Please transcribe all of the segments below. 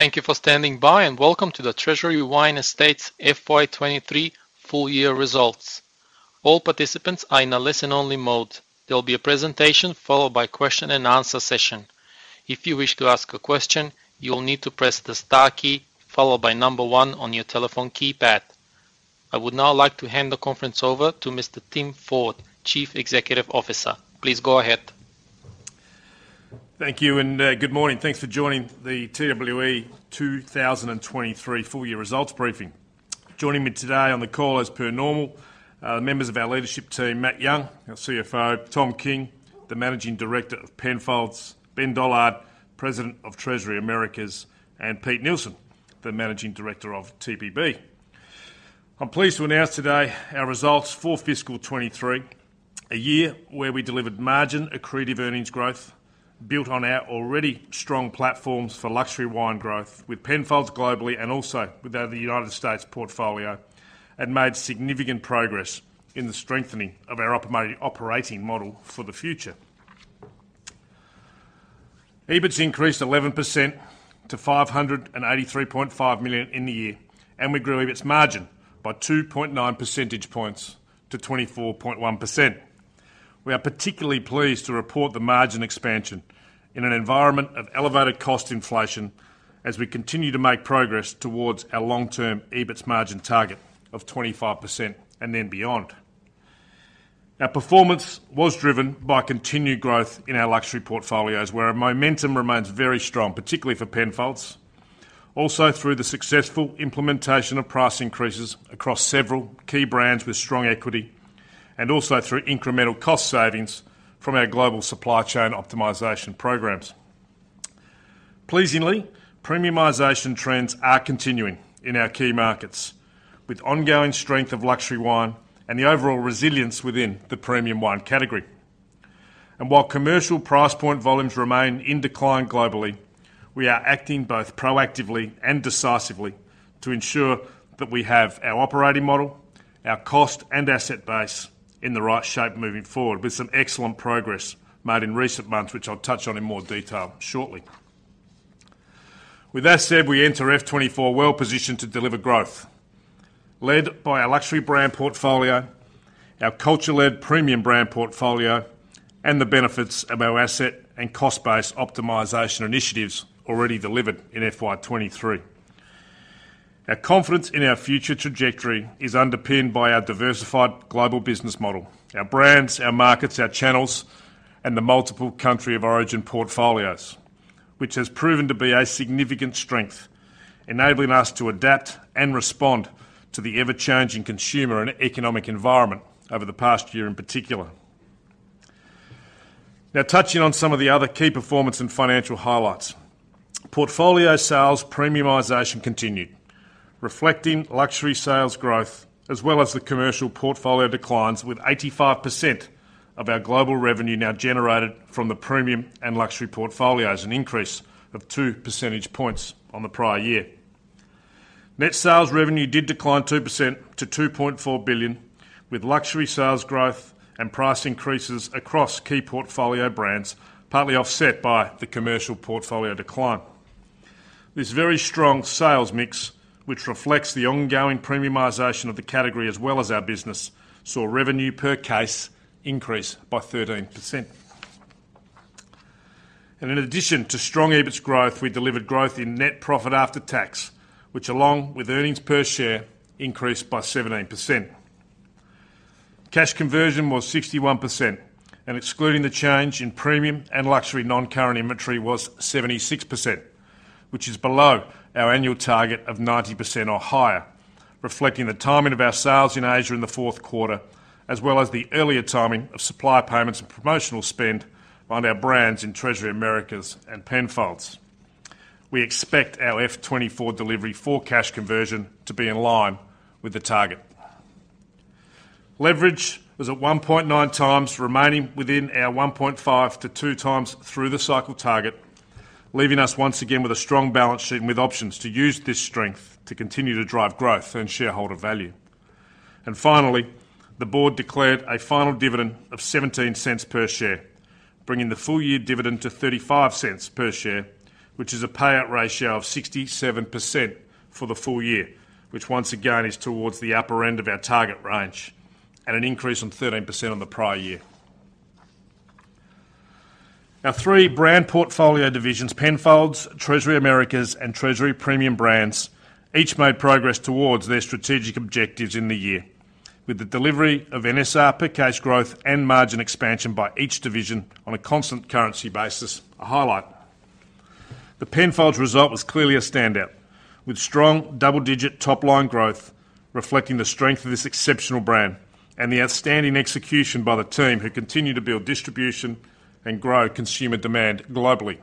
Thank you for standing by, and welcome to the Treasury Wine Estates FY 2023 full year results. All participants are in a listen-only mode. There will be a presentation followed by question and answer session. If you wish to ask a question, you will need to press the star key, followed by number one on your telephone keypad. I would now like to hand the conference over to Mr. Tim Ford, Chief Executive Officer. Please go ahead. Thank you, and good morning. Thanks for joining the TWE 2023 full year results briefing. Joining me today on the call, as per normal, members of our leadership team, Matt Young, our CFO, Tom King, the Managing Director of Penfolds, Ben Dollard, President of Treasury Americas, and Pete Nielsen, the Managing Director of TPB. I'm pleased to announce today our results for fiscal 23, a year where we delivered margin accretive earnings growth, built on our already strong platforms for luxury wine growth with Penfolds globally and also with our United States portfolio, and made significant progress in the strengthening of our operating model for the future. EBIT increased 11% to 583.5 million in the year, and we grew EBIT's margin by 2.9 percentage points to 24.1%. We are particularly pleased to report the margin expansion in an environment of elevated cost inflation as we continue to make progress towards our long-term EBIT margin target of 25% and then beyond. Our performance was driven by continued growth in our luxury portfolios, where our momentum remains very strong, particularly for Penfolds. Through the successful implementation of price increases across several key brands with strong equity, and also through incremental cost savings from our global supply chain optimization programs. Pleasingly, premiumization trends are continuing in our key markets, with ongoing strength of luxury wine and the overall resilience within the premium wine category. While commercial price point volumes remain in decline globally, we are acting both proactively and decisively to ensure that we have our operating model, our cost and asset base in the right shape moving forward, with some excellent progress made in recent months, which I'll touch on in more detail shortly. With that said, we enter FY 2024 well positioned to deliver growth, led by our luxury brand portfolio, our culture-led premium brand portfolio, and the benefits of our asset and cost-based optimization initiatives already delivered in FY 2023. Our confidence in our future trajectory is underpinned by our diversified global business model, our brands, our markets, our channels, and the multiple country of origin portfolios, which has proven to be a significant strength, enabling us to adapt and respond to the ever-changing consumer and economic environment over the past year in particular. Now, touching on some of the other key performance and financial highlights. Portfolio sales premiumization continued, reflecting luxury sales growth, as well as the commercial portfolio declines, with 85% of our global revenue now generated from the premium and luxury portfolios, an increase of 2 percentage points on the prior year. Net sales revenue did decline 2% to 2.4 billion, with luxury sales growth and price increases across key portfolio brands, partly offset by the commercial portfolio decline. This very strong sales mix, which reflects the ongoing premiumization of the category as well as our business, saw revenue per case increase by 13%. In addition to strong EBIT growth, we delivered growth in net profit after tax, which, along with earnings per share, increased by 17%. Cash conversion was 61%, excluding the change in premium and luxury, non-current inventory was 76%, which is below our annual target of 90% or higher, reflecting the timing of our sales in Asia in the fourth quarter, as well as the earlier timing of supplier payments and promotional spend on our brands in Treasury Americas and Penfolds. We expect our F 2024 delivery for cash conversion to be in line with the target. Leverage was at 1.9 times, remaining within our 1.5 to 2 times through-the-cycle target, leaving us once again with a strong balance sheet and with options to use this strength to continue to drive growth and shareholder value. Finally, the board declared a final dividend of 0.17 per share, bringing the full-year dividend to 0.35 per share, which is a payout ratio of 67% for the full year, which once again is towards the upper end of our target range and an increase from 13% on the prior year. Our three brand portfolio divisions, Penfolds, Treasury Americas, and Treasury Premium Brands, each made progress towards their strategic objectives in the year, with the delivery of NSR per case growth and margin expansion by each division on a constant currency basis, a highlight. The Penfolds result was clearly a standout, with strong double-digit top-line growth reflecting the strength of this exceptional brand and the outstanding execution by the team, who continue to build distribution and grow consumer demand globally.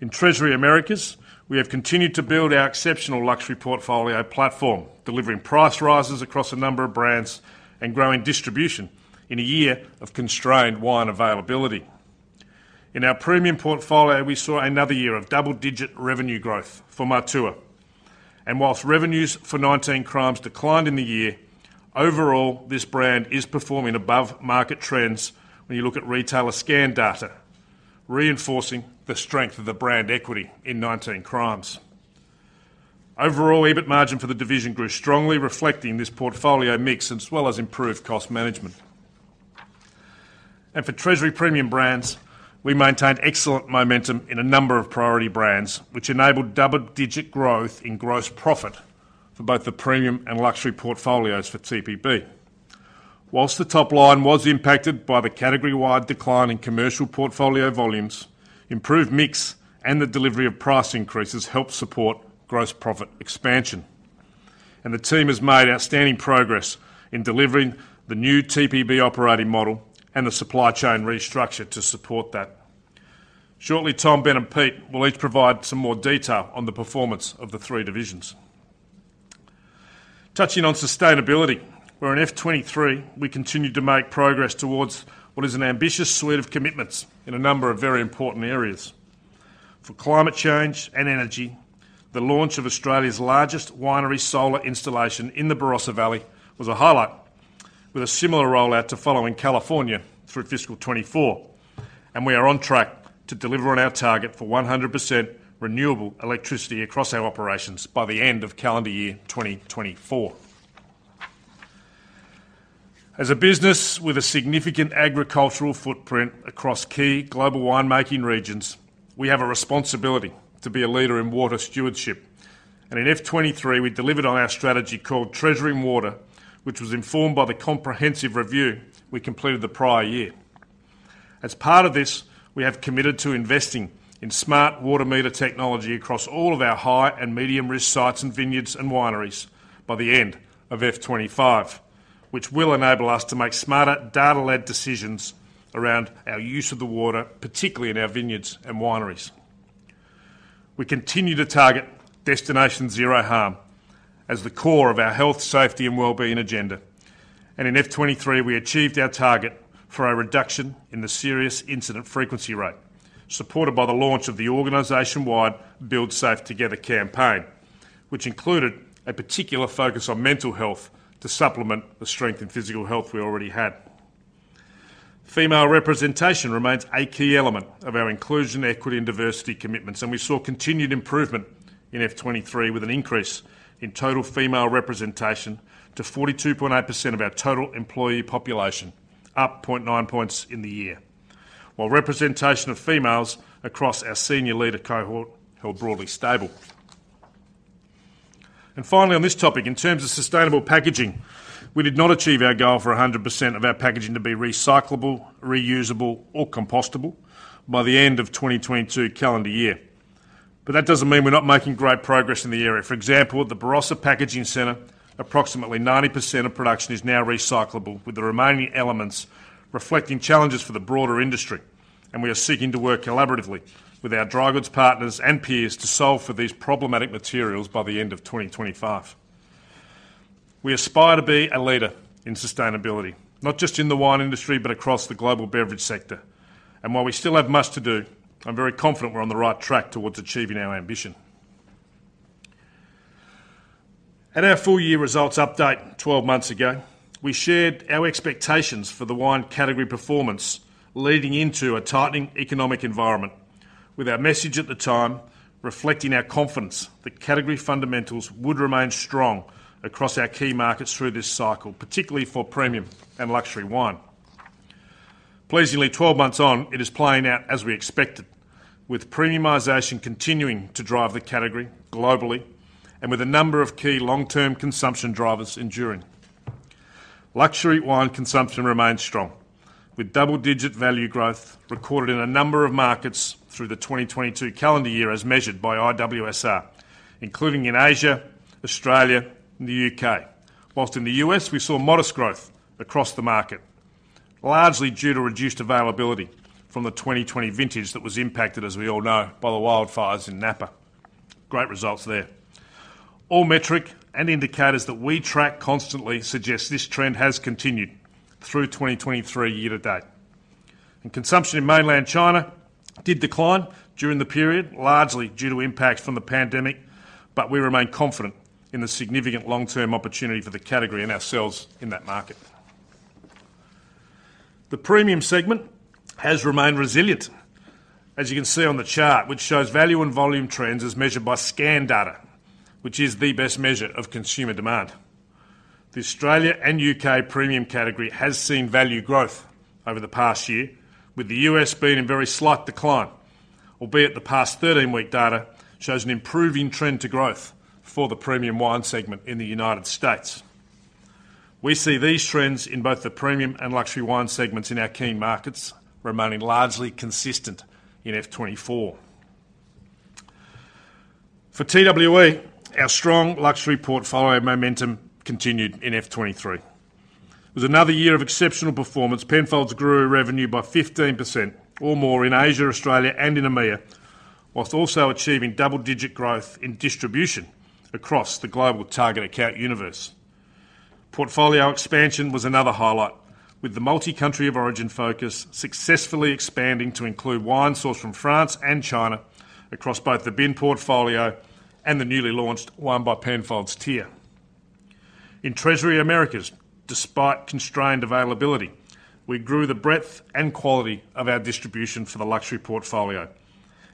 In Treasury Americas, we have continued to build our exceptional luxury portfolio platform, delivering price rises across a number of brands and growing distribution in a year of constrained wine availability. In our premium portfolio, we saw another year of double-digit revenue growth for Matua. Whilst revenues for 19 Crimes declined in the year, overall, this brand is performing above market trends when you look at retailer scan data, reinforcing the strength of the brand equity in 19 Crimes. Overall, EBIT margin for the division grew strongly, reflecting this portfolio mix, as well as improved cost management. For Treasury Premium Brands, we maintained excellent momentum in a number of priority brands, which enabled double-digit growth in gross profit for both the premium and luxury portfolios for TPB. Whilst the top line was impacted by the category-wide decline in commercial portfolio volumes, improved mix and the delivery of price increases helped support gross profit expansion. The team has made outstanding progress in delivering the new TPB operating model and the supply chain restructure to support that. Shortly, Tom, Ben, and Pete will each provide some more detail on the performance of the three divisions. Touching on sustainability, where in F 2023, we continued to make progress towards what is an ambitious suite of commitments in a number of very important areas. For climate change and energy, the launch of Australia's largest winery solar installation in the Barossa Valley was a highlight, with a similar rollout to follow in California through fiscal 24. We are on track to deliver on our target for 100% renewable electricity across our operations by the end of calendar year 2024. As a business with a significant agricultural footprint across key global wine-making regions, we have a responsibility to be a leader in water stewardship. In F 2023, we delivered on our strategy called Treasuring Water, which was informed by the comprehensive review we completed the prior year. As part of this, we have committed to investing in smart water meter technology across all of our high and medium-risk sites, and vineyards, and wineries by the end of F 2025, which will enable us to make smarter, data-led decisions around our use of the water, particularly in our vineyards and wineries. We continue to target Destination Zero Harm as the core of our health, safety, and wellbeing agenda. In F 2023, we achieved our target for a reduction in the serious incident frequency rate, supported by the launch of the organization-wide Build Safe Together campaign, which included a particular focus on mental health to supplement the strength and physical health we already had. Female representation remains a key element of our inclusion, equity, and diversity commitments. We saw continued improvement in F 2023, with an increase in total female representation to 42.8% of our total employee population, up 0.9 points in the year, while representation of females across our senior leader cohort held broadly stable. Finally, on this topic, in terms of sustainable packaging, we did not achieve our goal for 100% of our packaging to be recyclable, reusable, or compostable by the end of 2022 calendar year. That doesn't mean we're not making great progress in the area. For example, at the Barossa Packaging Centre, approximately 90% of production is now recyclable, with the remaining elements reflecting challenges for the broader industry. We are seeking to work collaboratively with our dry goods partners and peers to solve for these problematic materials by the end of 2025. We aspire to be a leader in sustainability, not just in the wine industry, but across the global beverage sector. While we still have much to do, I'm very confident we're on the right track towards achieving our ambition. At our full-year results update 12 months ago, we shared our expectations for the wine category performance leading into a tightening economic environment, with our message at the time reflecting our confidence that category fundamentals would remain strong across our key markets through this cycle, particularly for premium and luxury wine. Pleasingly, 12 months on, it is playing out as we expected, with premiumization continuing to drive the category globally and with a number of key long-term consumption drivers enduring. Luxury wine consumption remains strong, with double-digit value growth recorded in a number of markets through the 2022 calendar year, as measured by IWSR, including in Asia, Australia, and the U.K. Whilst in the U.S., we saw modest growth across the market, largely due to reduced availability from the 2020 vintage that was impacted, as we all know, by the wildfires in Napa. Great results there. All metric and indicators that we track constantly suggest this trend has continued through 2023 year to date. Consumption in mainland China did decline during the period, largely due to impacts from the pandemic, but we remain confident in the significant long-term opportunity for the category and ourselves in that market. The premium segment has remained resilient, as you can see on the chart, which shows value and volume trends as measured by scan data, which is the best measure of consumer demand. The Australia and U.K. premium category has seen value growth over the past year, with the U.S. being in very slight decline, albeit the past 13-week data shows an improving trend to growth for the premium wine segment in the United States. We see these trends in both the premium and luxury wine segments in our key markets remaining largely consistent in F 2024. For TWE, our strong luxury portfolio momentum continued in F 2023. It was another year of exceptional performance. Penfolds grew revenue by 15% or more in Asia, Australia, and in EMEA, whilst also achieving double-digit growth in distribution across the global target account universe.... Portfolio expansion was another highlight, with the multi-country of origin focus successfully expanding to include wine sourced from France and China across both the bin portfolio and the newly launched One by Penfolds tier. In Treasury Americas, despite constrained availability, we grew the breadth and quality of our distribution for the luxury portfolio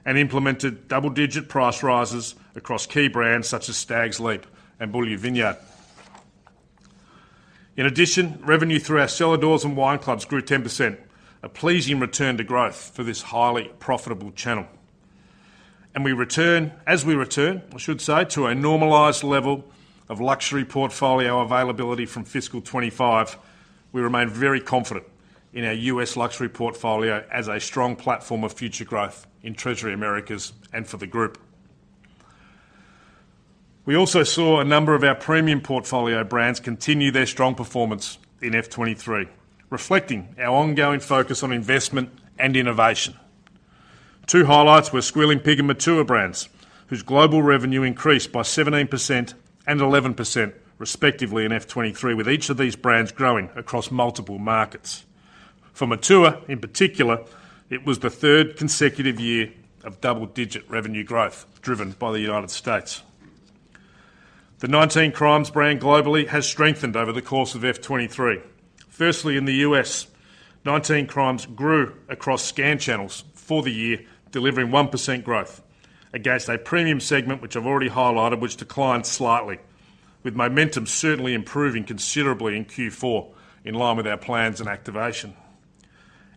and implemented double-digit price rises across key brands such as Stags' Leap and Beaulieu Vineyard. In addition, revenue through our cellar doors and wine clubs grew 10%, a pleasing return to growth for this highly profitable channel. As we return, I should say, to a normalized level of luxury portfolio availability from fiscal 25, we remain very confident in our U.S. luxury portfolio as a strong platform of future growth in Treasury Americas and for the group. We also saw a number of our premium portfolio brands continue their strong performance in F 2023, reflecting our ongoing focus on investment and innovation. Two highlights were Squealing Pig and Matua brands, whose global revenue increased by 17% and 11%, respectively, in F 2023, with each of these brands growing across multiple markets. For Matua, in particular, it was the third consecutive year of double-digit revenue growth, driven by the United States. The 19 Crimes brand globally has strengthened over the course of F 2023. Firstly, in the U.S., 19 Crimes grew across scan channels for the year, delivering 1% growth against a premium segment, which I've already highlighted, which declined slightly, with momentum certainly improving considerably in Q4, in line with our plans and activation.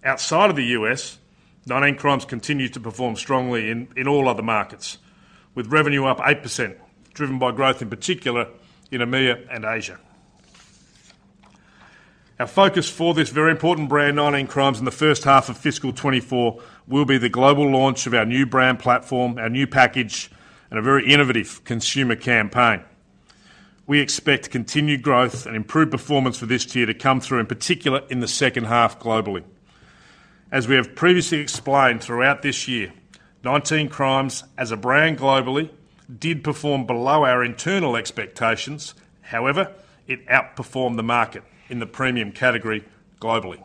Outside of the U.S., 19 Crimes continued to perform strongly in all other markets, with revenue up 8%, driven by growth, in particular in EMEA and Asia. Our focus for this very important brand, 19 Crimes, in the first half of fiscal 2024, will be the global launch of our new brand platform, our new package, and a very innovative consumer campaign. We expect continued growth and improved performance for this tier to come through, in particular, in the second half globally. As we have previously explained, throughout this year, 19 Crimes, as a brand globally, did perform below our internal expectations. However, it outperformed the market in the premium category globally.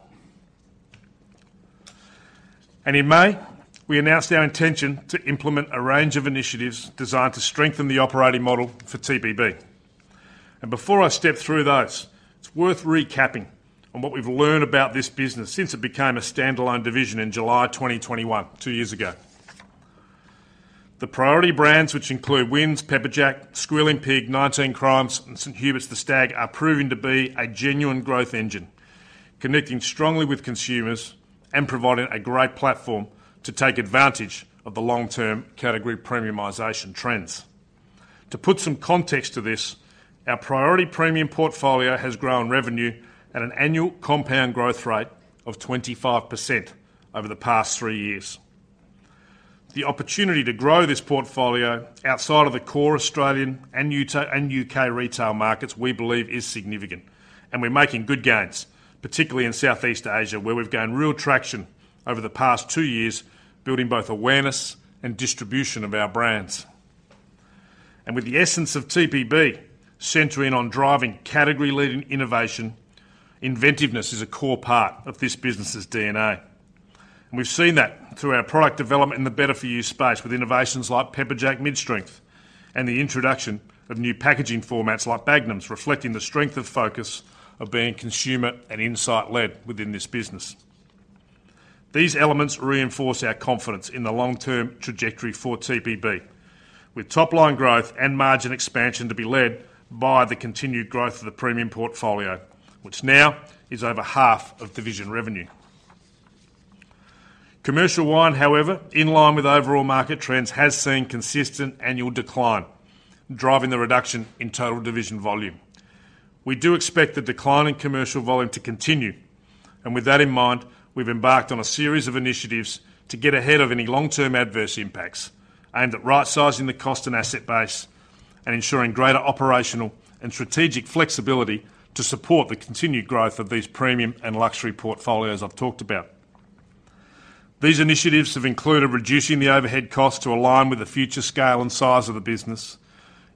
In May, we announced our intention to implement a range of initiatives designed to strengthen the operating model for TPB. Before I step through those, it's worth recapping on what we've learned about this business since it became a standalone division in July 2021, 2 years ago. The priority brands, which include Wynns, Pepperjack, Squealing Pig, 19 Crimes, and St Huberts The Stag, are proving to be a genuine growth engine, connecting strongly with consumers and providing a great platform to take advantage of the long-term category premiumization trends. To put some context to this, our priority premium portfolio has grown revenue at an annual compound growth rate of 25% over the past 3 years. The opportunity to grow this portfolio outside of the core Australian and U.K. retail markets, we believe, is significant, and we're making good gains, particularly in Southeast Asia, where we've gained real traction over the past 2 years, building both awareness and distribution of our brands. With the essence of TPB centering on driving category-leading innovation, inventiveness is a core part of this business's DNA. We've seen that through our product development in the Better For You space, with innovations like Pepperjack Mid Strength and the introduction of new packaging formats like magnums, reflecting the strength of focus of being consumer and insight-led within this business. These elements reinforce our confidence in the long-term trajectory for TPB, with top-line growth and margin expansion to be led by the continued growth of the premium portfolio, which now is over half of division revenue. Commercial wine, however, in line with overall market trends, has seen consistent annual decline, driving the reduction in total division volume. We do expect the decline in commercial volume to continue, and with that in mind, we've embarked on a series of initiatives to get ahead of any long-term adverse impacts, aimed at right-sizing the cost and asset base and ensuring greater operational and strategic flexibility to support the continued growth of these premium and luxury portfolios I've talked about. These initiatives have included reducing the overhead costs to align with the future scale and size of the business,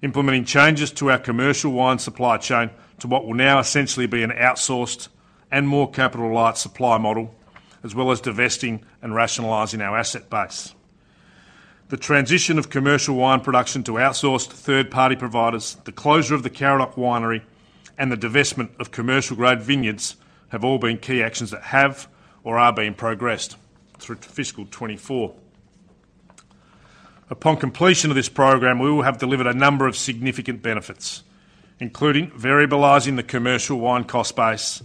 implementing changes to our commercial wine supply chain to what will now essentially be an outsourced and more capital-light supply model, as well as divesting and rationalizing our asset base. The transition of commercial wine production to outsourced third-party providers, the closure of the Karadoc Winery, and the divestment of commercial-grade vineyards have all been key actions that have or are being progressed through to fiscal 2024. Upon completion of this program, we will have delivered a number of significant benefits, including variabilizing the commercial wine cost base,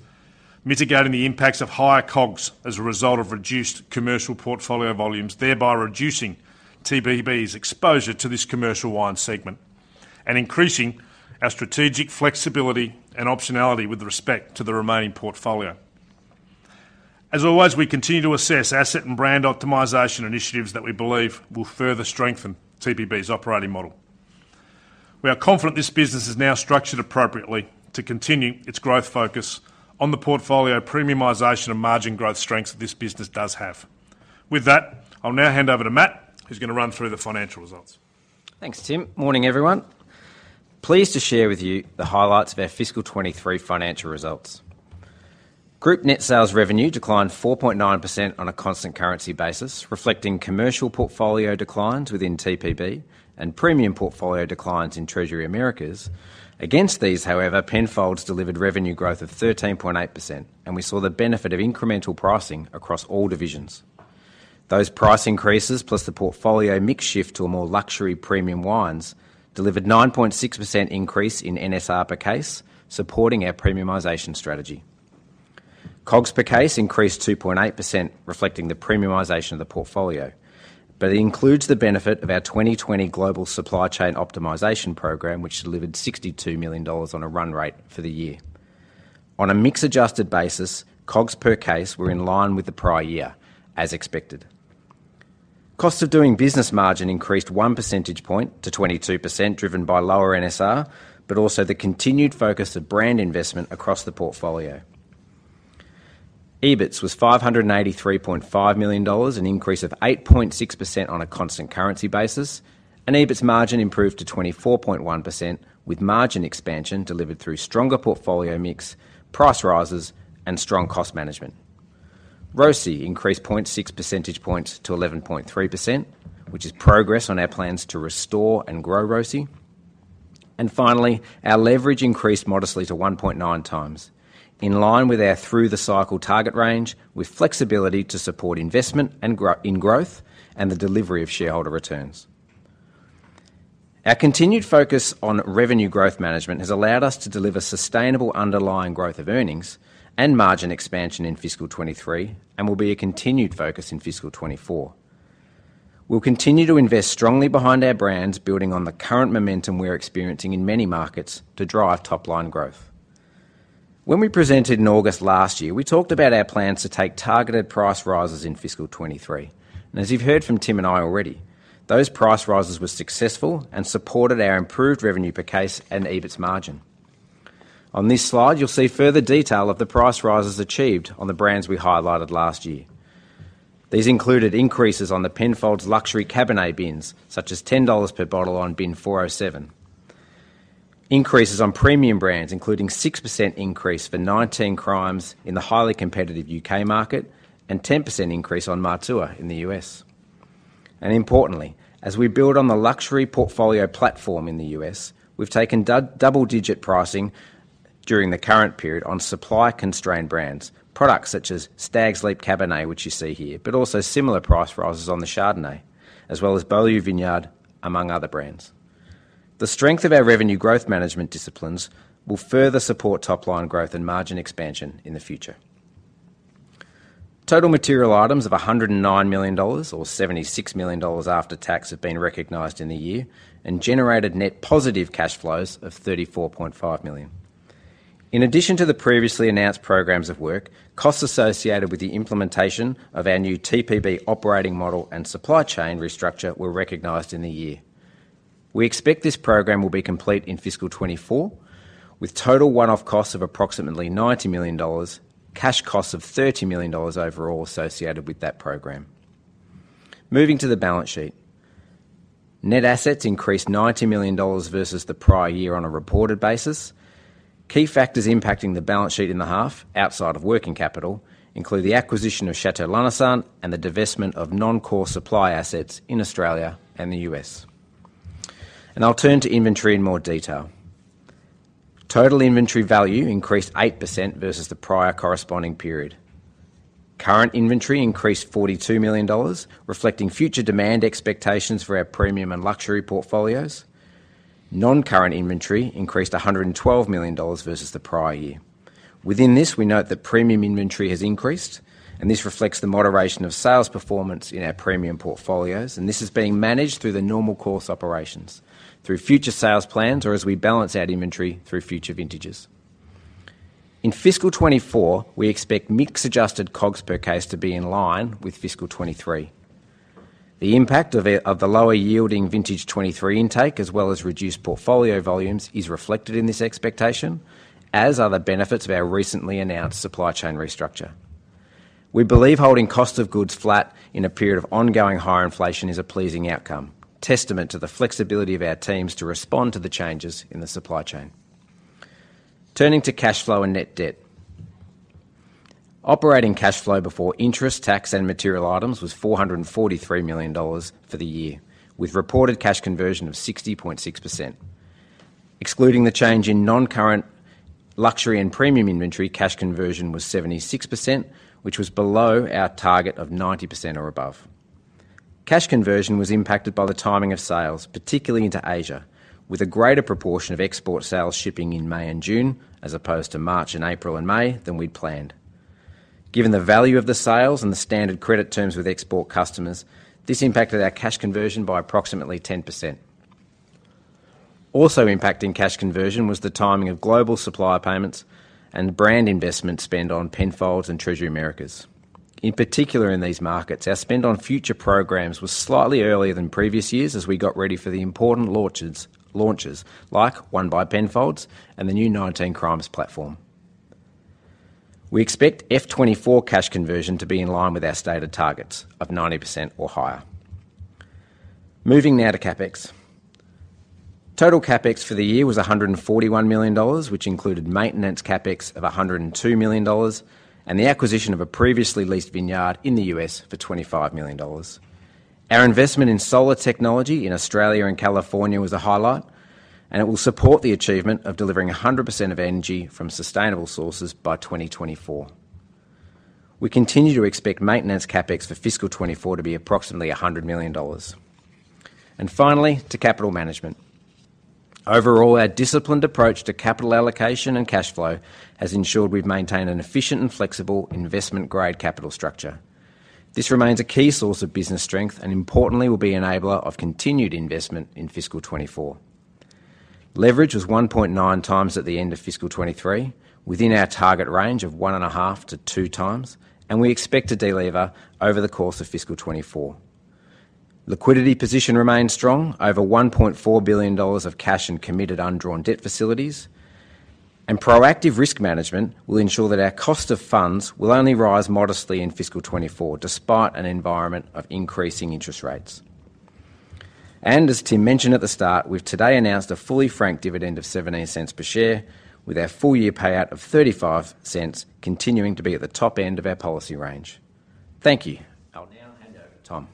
mitigating the impacts of higher COGS as a result of reduced commercial portfolio volumes, thereby reducing TPB's exposure to this commercial wine segment, and increasing our strategic flexibility and optionality with respect to the remaining portfolio. As always, we continue to assess asset and brand optimization initiatives that we believe will further strengthen TPB's operating model. We are confident this business is now structured appropriately to continue its growth focus on the portfolio premiumization and margin growth strengths that this business does have. With that, I'll now hand over to Matt, who's going to run through the financial results. Thanks, Tim. Morning, everyone. Pleased to share with you the highlights of our fiscal 23 financial results. Group net sales revenue declined 4.9% on a constant currency basis, reflecting commercial portfolio declines within TPB and premium portfolio declines in Treasury Americas. Against these, however, Penfolds delivered revenue growth of 13.8%, and we saw the benefit of incremental pricing across all divisions. Those price increases, plus the portfolio mix shift to a more luxury premium wines, delivered 9.6% increase in NSR per case, supporting our premiumization strategy. COGS per case increased 2.8%, reflecting the premiumization of the portfolio, but it includes the benefit of our 2020 global supply chain optimization program, which delivered $62 million on a run rate for the year. On a mix-adjusted basis, COGS per case were in line with the prior year, as expected. Cost of doing business margin increased 1 percentage point to 22%, driven by lower NSR, but also the continued focus of brand investment across the portfolio. EBIT was 583.5 million dollars, an increase of 8.6% on a constant currency basis, and EBIT margin improved to 24.1%, with margin expansion delivered through stronger portfolio mix, price rises, and strong cost management. ROCE increased 0.6 percentage points to 11.3%, which is progress on our plans to restore and grow ROCE. Finally, our leverage increased modestly to 1.9 times, in line with our through-the-cycle target range, with flexibility to support investment and gro- in growth and the delivery of shareholder returns. Our continued focus on revenue growth management has allowed us to deliver sustainable underlying growth of earnings and margin expansion in fiscal 2023 and will be a continued focus in fiscal 2024. We'll continue to invest strongly behind our brands, building on the current momentum we're experiencing in many markets to drive top-line growth. When we presented in August last year, we talked about our plans to take targeted price rises in fiscal 2023. As you've heard from Tim and I already, those price rises were successful and supported our improved revenue per case and EBIT margin. On this slide, you'll see further detail of the price rises achieved on the brands we highlighted last year. These included increases on the Penfolds Luxury Cabernet Bins, such as $10 per bottle on Bin 407. Increases on premium brands, including 6% increase for 19 Crimes in the highly competitive U.K. market and 10% increase on Matua in the U.S. Importantly, as we build on the luxury portfolio platform in the U.S., we've taken double-digit pricing during the current period on supply-constrained brands, products such as Stags' Leap Cabernet, which you see here, but also similar price rises on the Chardonnay, as well as Beaulieu Vineyard, among other brands. The strength of our revenue growth management disciplines will further support top-line growth and margin expansion in the future. Total material items of $109 million, or $76 million after tax, have been recognized in the year and generated net positive cash flows of $34.5 million. In addition to the previously announced programs of work, costs associated with the implementation of our new TPB operating model and supply chain restructure were recognized in the year. We expect this program will be complete in fiscal 2024, with total one-off costs of approximately 90 million dollars, cash costs of 30 million dollars overall associated with that program. Moving to the balance sheet. Net assets increased 90 million dollars versus the prior year on a reported basis. Key factors impacting the balance sheet in the half, outside of working capital, include the acquisition of Château Lanessan and the divestment of non-core supply assets in Australia and the U.S. I'll turn to inventory in more detail. Total inventory value increased 8% versus the prior corresponding period. Current inventory increased 42 million dollars, reflecting future demand expectations for our premium and luxury portfolios. Non-current inventory increased $112 million versus the prior year. Within this, we note that premium inventory has increased, and this reflects the moderation of sales performance in our premium portfolios, and this is being managed through the normal course of operations, through future sales plans, or as we balance our inventory through future vintages. In fiscal 24, we expect mix-adjusted COGS per case to be in line with fiscal 23. The impact of the lower-yielding vintage 23 intake, as well as reduced portfolio volumes, is reflected in this expectation, as are the benefits of our recently announced supply chain restructure. We believe holding cost of goods flat in a period of ongoing higher inflation is a pleasing outcome, testament to the flexibility of our teams to respond to the changes in the supply chain. Turning to cash flow and net debt. Operating cash flow before interest, tax, and material items was 443 million dollars for the year, with reported cash conversion of 60.6%. Excluding the change in non-current luxury and premium inventory, cash conversion was 76%, which was below our target of 90% or above. Cash conversion was impacted by the timing of sales, particularly into Asia, with a greater proportion of export sales shipping in May and June, as opposed to March and April and May than we'd planned. Given the value of the sales and the standard credit terms with export customers, this impacted our cash conversion by approximately 10%. Also impacting cash conversion was the timing of global supplier payments and brand investment spend on Penfolds and Treasury Americas. In particular, in these markets, our spend on future programs was slightly earlier than previous years as we got ready for the important launches, launches like One by Penfolds and the new 19 Crimes platform. We expect F 2024 cash conversion to be in line with our stated targets of 90% or higher. Moving now to CapEx. Total CapEx for the year was $141 million, which included maintenance CapEx of $102 million, and the acquisition of a previously leased vineyard in the U.S. for $25 million. Our investment in solar technology in Australia and California was a highlight, and it will support the achievement of delivering 100% of energy from sustainable sources by 2024. We continue to expect maintenance CapEx for fiscal 2024 to be approximately $100 million. Finally, to capital management. Overall, our disciplined approach to capital allocation and cash flow has ensured we've maintained an efficient and flexible investment-grade capital structure. This remains a key source of business strength, importantly, will be enabler of continued investment in fiscal 2024. Leverage was 1.9 times at the end of fiscal 2023, within our target range of 1.5-2 times, we expect to delever over the course of fiscal 2024. Liquidity position remains strong, over $1.4 billion of cash and committed undrawn debt facilities, proactive risk management will ensure that our cost of funds will only rise modestly in fiscal 2024, despite an environment of increasing interest rates. As Tim mentioned at the start, we've today announced a fully franked dividend of 0.17 per share, with our full-year payout of 0.35 continuing to be at the top end of our policy range. Thank you. I'll now hand over to Tom.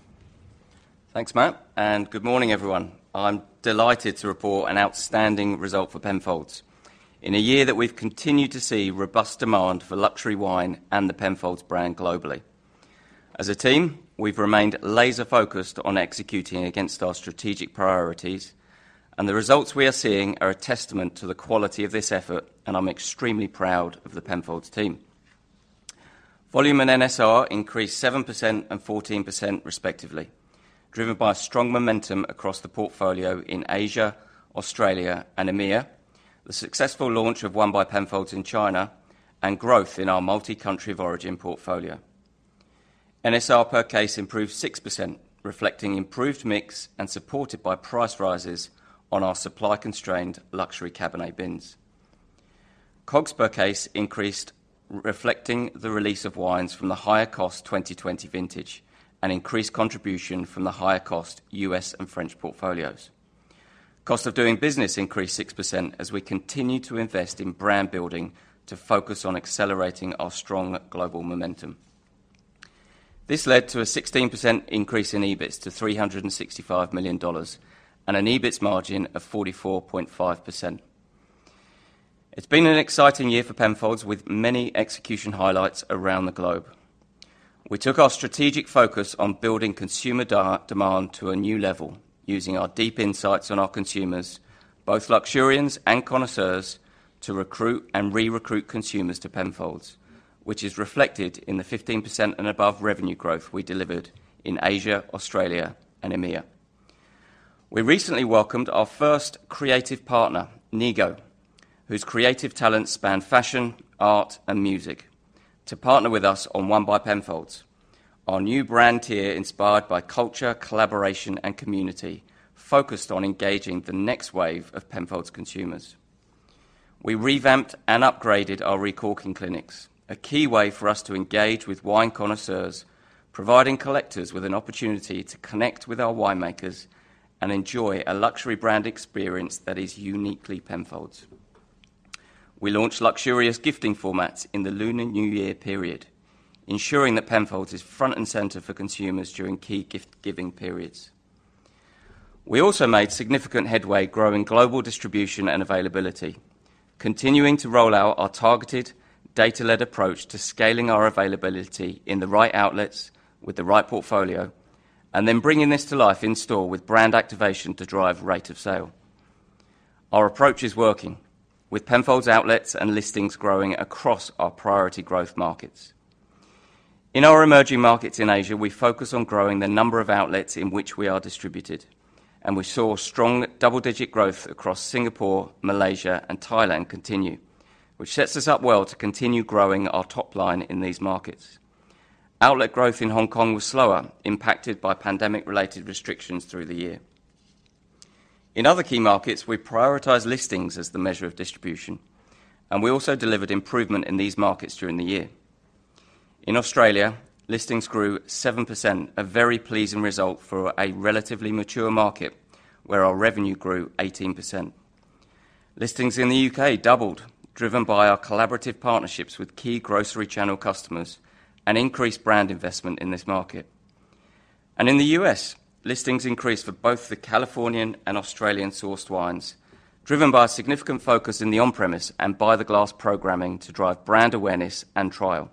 Thanks, Matt, and good morning, everyone. I'm delighted to report an outstanding result for Penfolds. In a year that we've continued to see robust demand for luxury wine and the Penfolds brand globally. As a team, we've remained laser-focused on executing against our strategic priorities, and the results we are seeing are a testament to the quality of this effort, and I'm extremely proud of the Penfolds team. Volume and NSR increased 7% and 14% respectively, driven by strong momentum across the portfolio in Asia, Australia, and EMEA, the successful launch of One by Penfolds in China, and growth in our multi-country origin portfolio. NSR per case improved 6%, reflecting improved mix and supported by price rises on our supply-constrained luxury Cabernet Bins. COGS per case increased, reflecting the release of wines from the higher-cost 2020 vintage and increased contribution from the higher-cost U.S. and French portfolios. Cost of doing business increased 6% as we continued to invest in brand building to focus on accelerating our strong global momentum. This led to a 16% increase in EBIT to 365 million dollars and an EBIT margin of 44.5%. It's been an exciting year for Penfolds, with many execution highlights around the globe. We took our strategic focus on building consumer demand to a new level, using our deep insights on our consumers, both luxurians and connoisseurs, to recruit and re-recruit consumers to Penfolds, which is reflected in the 15% and above revenue growth we delivered in Asia, Australia, and EMEA. We recently welcomed our first creative partner, Nigo, whose creative talents span fashion, art, and music, to partner with us on One by Penfolds, our new brand tier, inspired by culture, collaboration, and community, focused on engaging the next wave of Penfolds consumers. We revamped and upgraded our Recorking Clinics, a key way for us to engage with wine connoisseurs, providing collectors with an opportunity to connect with our winemakers and enjoy a luxury brand experience that is uniquely Penfolds. We launched luxurious gifting formats in the Lunar New Year period, ensuring that Penfolds is front and center for consumers during key gift-giving periods. We also made significant headway growing global distribution and availability, continuing to roll out our targeted data-led approach to scaling our availability in the right outlets with the right portfolio, and then bringing this to life in-store with brand activation to drive rate of sale. Our approach is working, with Penfolds outlets and listings growing across our priority growth markets. In our emerging markets in Asia, we focus on growing the number of outlets in which we are distributed. We saw strong double-digit growth across Singapore, Malaysia, and Thailand continue, which sets us up well to continue growing our top line in these markets. Outlet growth in Hong Kong was slower, impacted by pandemic-related restrictions through the year. In other key markets, we prioritize listings as the measure of distribution. We also delivered improvement in these markets during the year. In Australia, listings grew 7%, a very pleasing result for a relatively mature market, where our revenue grew 18%. Listings in the U.K. doubled, driven by our collaborative partnerships with key grocery channel customers and increased brand investment in this market. In the U.S., listings increased for both the Californian and Australian-sourced wines, driven by a significant focus in the on-premise and by-the-glass programming to drive brand awareness and trial.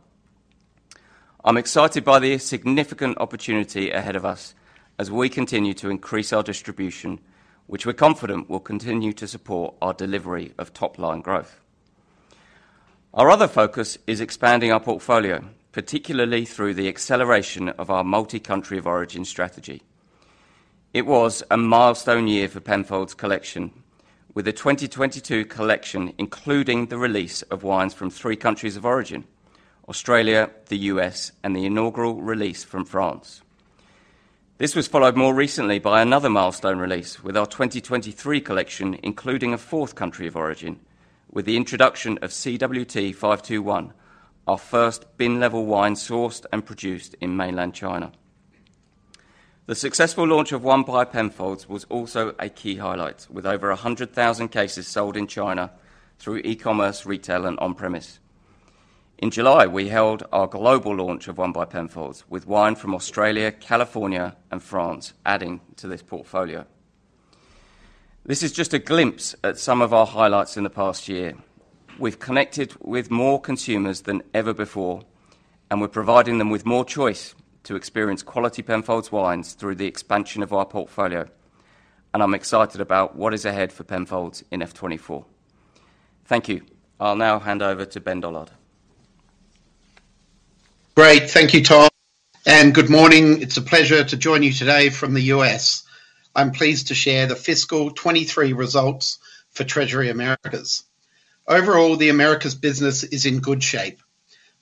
I'm excited by the significant opportunity ahead of us as we continue to increase our distribution, which we're confident will continue to support our delivery of top-line growth. Our other focus is expanding our portfolio, particularly through the acceleration of our multi-country of origin strategy. It was a milestone year for Penfolds collection, with the 2022 collection, including the release of wines from 3 countries of origin: Australia, the U.S., and the inaugural release from France. This was followed more recently by another milestone release with our 2023 collection, including a 4th country of origin, with the introduction of CWT 521, our first bin-level wine sourced and produced in mainland China. The successful launch of One by Penfolds was also a key highlight, with over 100,000 cases sold in China through e-commerce, retail, and on-premise. In July, we held our global launch of One by Penfolds, with wine from Australia, California, and France adding to this portfolio. This is just a glimpse at some of our highlights in the past year. We've connected with more consumers than ever before, and we're providing them with more choice to experience quality Penfolds wines through the expansion of our portfolio. I'm excited about what is ahead for Penfolds in F 2024. Thank you. I'll now hand over to Ben Dollard. Great. Thank you, Tom. Good morning. It's a pleasure to join you today from the U.S. I'm pleased to share the fiscal 23 results for Treasury Americas. Overall, the Americas business is in good shape.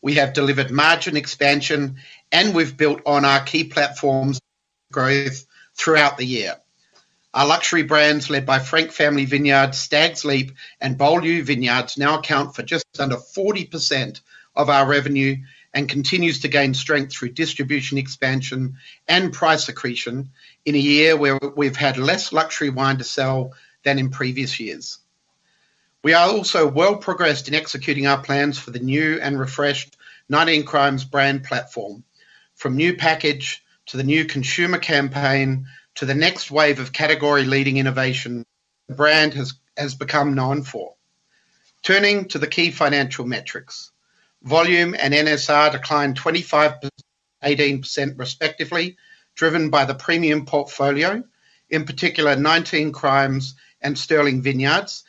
We have delivered margin expansion, and we've built on our key platforms growth throughout the year. Our luxury brands, led by Frank Family Vineyards, Stags' Leap, and Beaulieu Vineyards, now account for just under 40% of our revenue and continues to gain strength through distribution, expansion, and price accretion in a year where we've had less luxury wine to sell than in previous years. We are also well progressed in executing our plans for the new and refreshed 19 Crimes brand platform. From new package to the new consumer campaign, to the next wave of category-leading innovation the brand has become known for. Turning to the key financial metrics. Volume and NSR declined 25%, 18%, respectively, driven by the premium portfolio, in particular, 19 Crimes and Sterling Vineyards.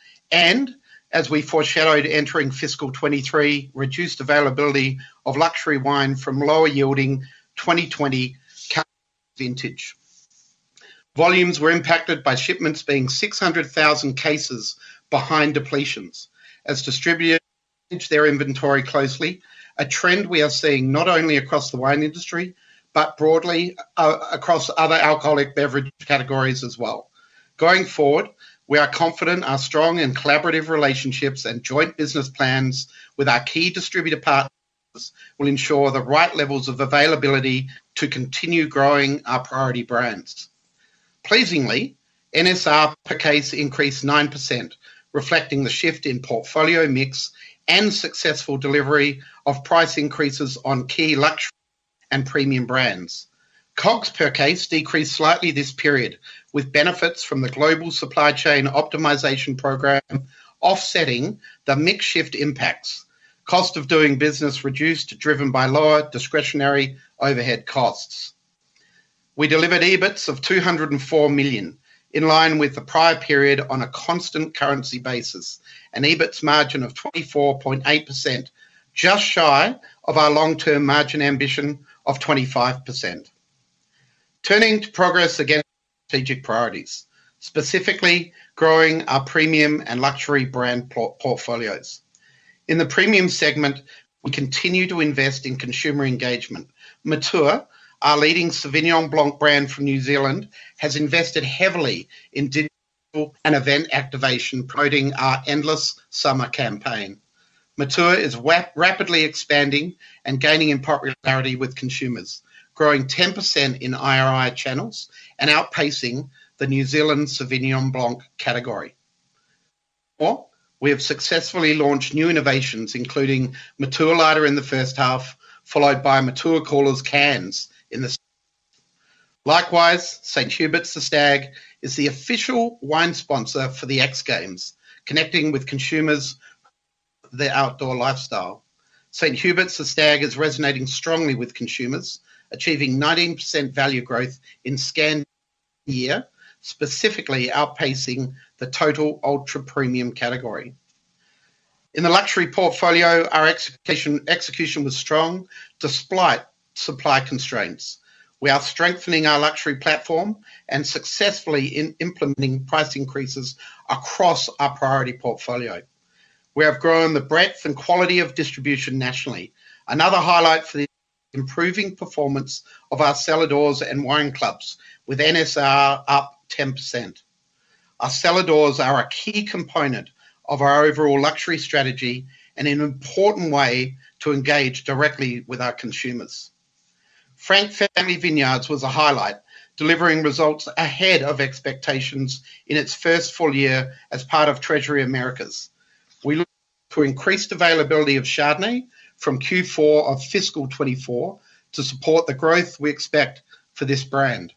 As we foreshadowed entering fiscal 23, reduced availability of luxury wine from lower-yielding 2020 ca vintage. Volumes were impacted by shipments being 600,000 cases behind depletions, as distributors inch their inventory closely, a trend we are seeing not only across the wine industry, but broadly across other alcoholic beverage categories as well. Going forward, we are confident our strong and collaborative relationships and joint business plans with our key distributor partners will ensure the right levels of availability to continue growing our priority brands. Pleasingly, NSR per case increased 9%, reflecting the shift in portfolio mix and successful delivery of price increases on key luxury and premium brands. COGS per case decreased slightly this period, with benefits from the global supply chain optimization program offsetting the mix shift impacts. Cost of doing business reduced, driven by lower discretionary overhead costs. We delivered EBIT of 204 million, in line with the prior period on a constant currency basis, an EBIT margin of 24.8%, just shy of our long-term margin ambition of 25%. Turning to progress against strategic priorities, specifically growing our premium and luxury brand portfolios. In the premium segment, we continue to invest in consumer engagement. Matua, our leading Sauvignon Blanc brand from New Zealand, has invested heavily in digital and event activation, promoting our Endless Summer campaign. Matua is rapidly expanding and gaining in popularity with consumers, growing 10% in IRI channels and outpacing the New Zealand Sauvignon Blanc category. Well, we have successfully launched new innovations, including Matua Lighter in the first half, followed by Matua Coolers cans in the... Likewise, St Huberts The Stag is the official wine sponsor for the X Games, connecting with consumers, their outdoor lifestyle. St Huberts The Stag is resonating strongly with consumers, achieving 19% value growth in scan year, specifically outpacing the total ultra-premium category. In the luxury portfolio, our execution was strong despite supply constraints. We are strengthening our luxury platform and successfully in-implementing price increases across our priority portfolio. We have grown the breadth and quality of distribution nationally. Another highlight for the improving performance of our cellar doors and wine clubs, with NSR up 10%. Our cellar doors are a key component of our overall luxury strategy and an important way to engage directly with our consumers. Frank Family Vineyards was a highlight, delivering results ahead of expectations in its first full year as part of Treasury Americas. We look to increased availability of Chardonnay from Q4 of fiscal 2024 to support the growth we expect for this brand.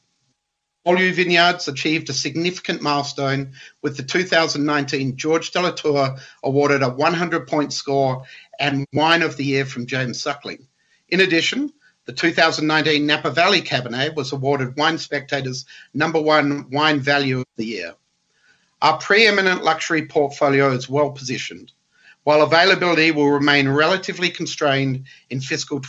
Beaulieu Vineyards achieved a significant milestone with the 2019 Georges de Latour awarded a 100 point score and Wine of the Year from James Suckling. In addition, the 2019 Napa Valley Cabernet was awarded Wine Spectator's number one Wine Value of the Year. Our preeminent luxury portfolio is well-positioned. While availability will remain relatively constrained in fiscal,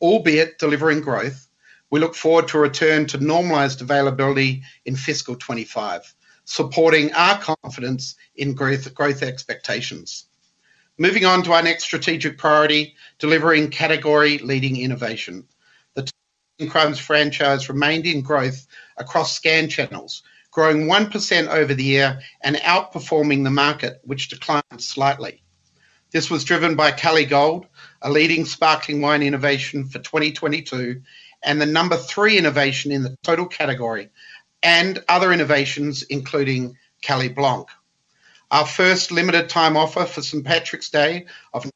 albeit delivering growth, we look forward to a return to normalized availability in fiscal 2025, supporting our confidence in growth, growth expectations. Moving on to our next strategic priority, delivering category-leading innovation. The 19 Crimes franchise remained in growth across scan channels, growing 1% over the year and outperforming the market, which declined slightly. This was driven by Cali Gold, a leading sparkling wine innovation for 2022, and the number 3 innovation in the total category, and other innovations, including Cali Blanc. Our first limited time offer for St. Patrick's Day of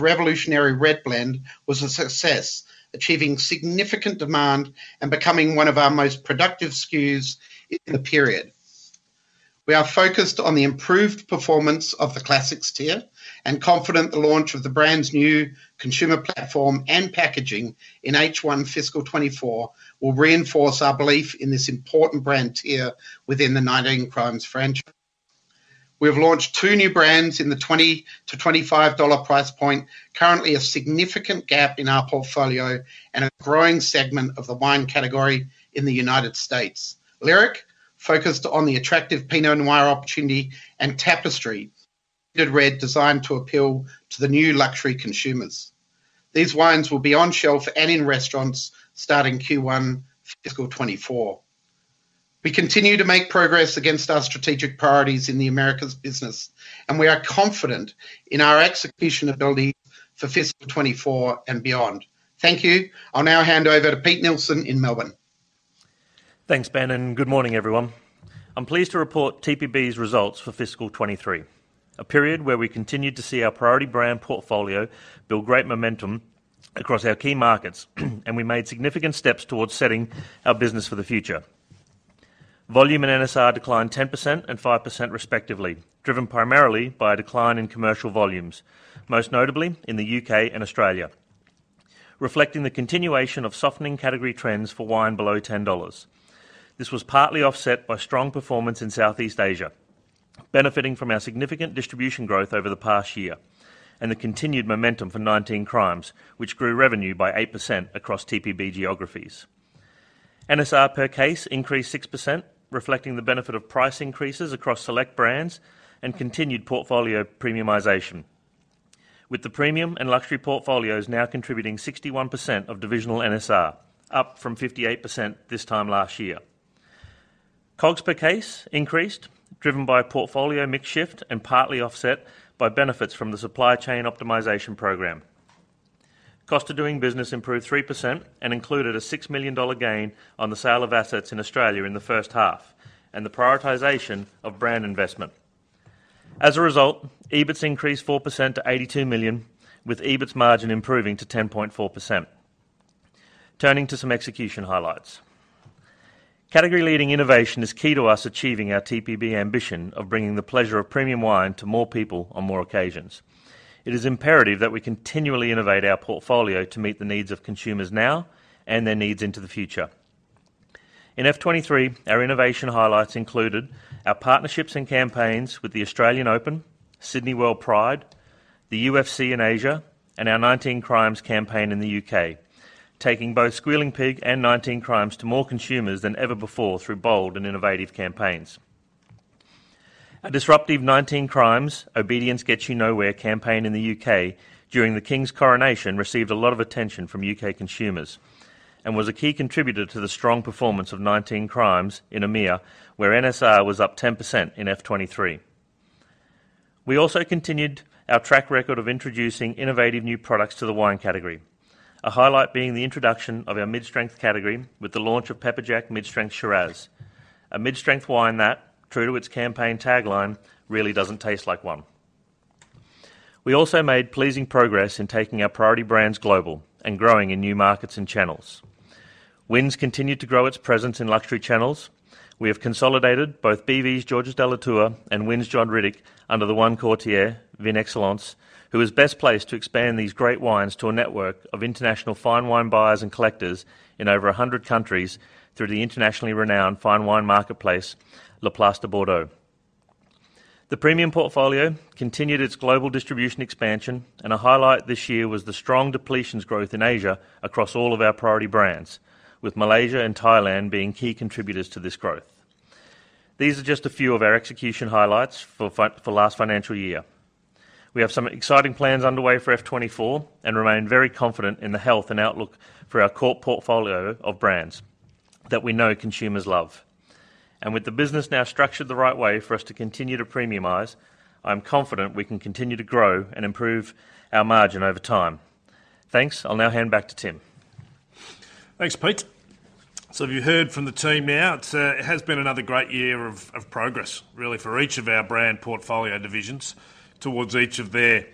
Revolutionary Red Blend was a success, achieving significant demand and becoming one of our most productive SKUs in the period. We are focused on the improved performance of the Classics tier, and confident the launch of the brand's new consumer platform and packaging in H1 fiscal 2024 will reinforce our belief in this important brand tier within the 19 Crimes franchise. We have launched two new brands in the $20-$25 price point, currently a significant gap in our portfolio and a growing segment of the wine category in the United States. Lyric, focused on the attractive Pinot Noir opportunity, and Tapestry, good red designed to appeal to the new luxury consumers. These wines will be on shelf and in restaurants starting Q1 fiscal 2024. We continue to make progress against our strategic priorities in the Americas business, and we are confident in our execution ability for fiscal 2024 and beyond. Thank you. I'll now hand over to Pete Nielsen in Melbourne. Thanks, Ben, and good morning, everyone. I'm pleased to report TPB's results for fiscal 2023, a period where we continued to see our priority brand portfolio build great momentum across our key markets, and we made significant steps towards setting our business for the future. Volume and NSR declined 10% and 5%, respectively, driven primarily by a decline in commercial volumes, most notably in the U.K. and Australia, reflecting the continuation of softening category trends for wine below 10 dollars. This was partly offset by strong performance in Southeast Asia, benefiting from our significant distribution growth over the past year and the continued momentum for 19 Crimes, which grew revenue by 8% across TPB geographies. NSR per case increased 6%, reflecting the benefit of price increases across select brands and continued portfolio premiumization, with the premium and luxury portfolios now contributing 61% of divisional NSR, up from 58% this time last year. COGS per case increased, driven by a portfolio mix shift and partly offset by benefits from the supply chain optimization program. Cost of doing business improved 3% and included an 6 million dollar gain on the sale of assets in Australia in the first half and the prioritization of brand investment. As a result, EBIT increased 4% to 82 million, with EBIT margin improving to 10.4%. Turning to some execution highlights. Category-leading innovation is key to us achieving our TPB ambition of bringing the pleasure of premium wine to more people on more occasions. It is imperative that we continually innovate our portfolio to meet the needs of consumers now and their needs into the future. In F twenty-three, our innovation highlights included our partnerships and campaigns with the Australian Open, Sydney WorldPride, the UFC in Asia, and our 19 Crimes campaign in the U.K., taking both Squealing Pig and 19 Crimes to more consumers than ever before through bold and innovative campaigns. A disruptive 19 Crimes Obedience Gets You Nowhere campaign in the U.K. during the King's coronation received a lot of attention from U.K. consumers and was a key contributor to the strong performance of 19 Crimes in EMEA, where NSR was up 10% in F twenty-three. We also continued our track record of introducing innovative new products to the wine category. A highlight being the introduction of our mid-strength category with the launch of Pepperjack Mid Strength Shiraz, a mid-strength wine that, true to its campaign tagline, "Really doesn't taste like 1." We also made pleasing progress in taking our priority brands global and growing in new markets and channels. Wynns continued to grow its presence in luxury channels. We have consolidated both BV's Georges de Latour and Wynns John Riddoch under the 1 courtier, Vin Excellence, who is best placed to expand these great wines to a network of international fine wine buyers and collectors in over 100 countries through the internationally renowned fine wine marketplace, La Place de Bordeaux. The premium portfolio continued its global distribution expansion, and a highlight this year was the strong depletions growth in Asia across all of our priority brands, with Malaysia and Thailand being key contributors to this growth. These are just a few of our execution highlights for for the last financial year. We have some exciting plans underway for F 2024 and remain very confident in the health and outlook for our core portfolio of brands that we know consumers love. With the business now structured the right way for us to continue to premiumize, I'm confident we can continue to grow and improve our margin over time. Thanks. I'll now hand back to Tim. Thanks, Pete. Have you heard from the team now, it's, it has been another great year of, of progress, really, for each of our brand portfolio divisions towards each of their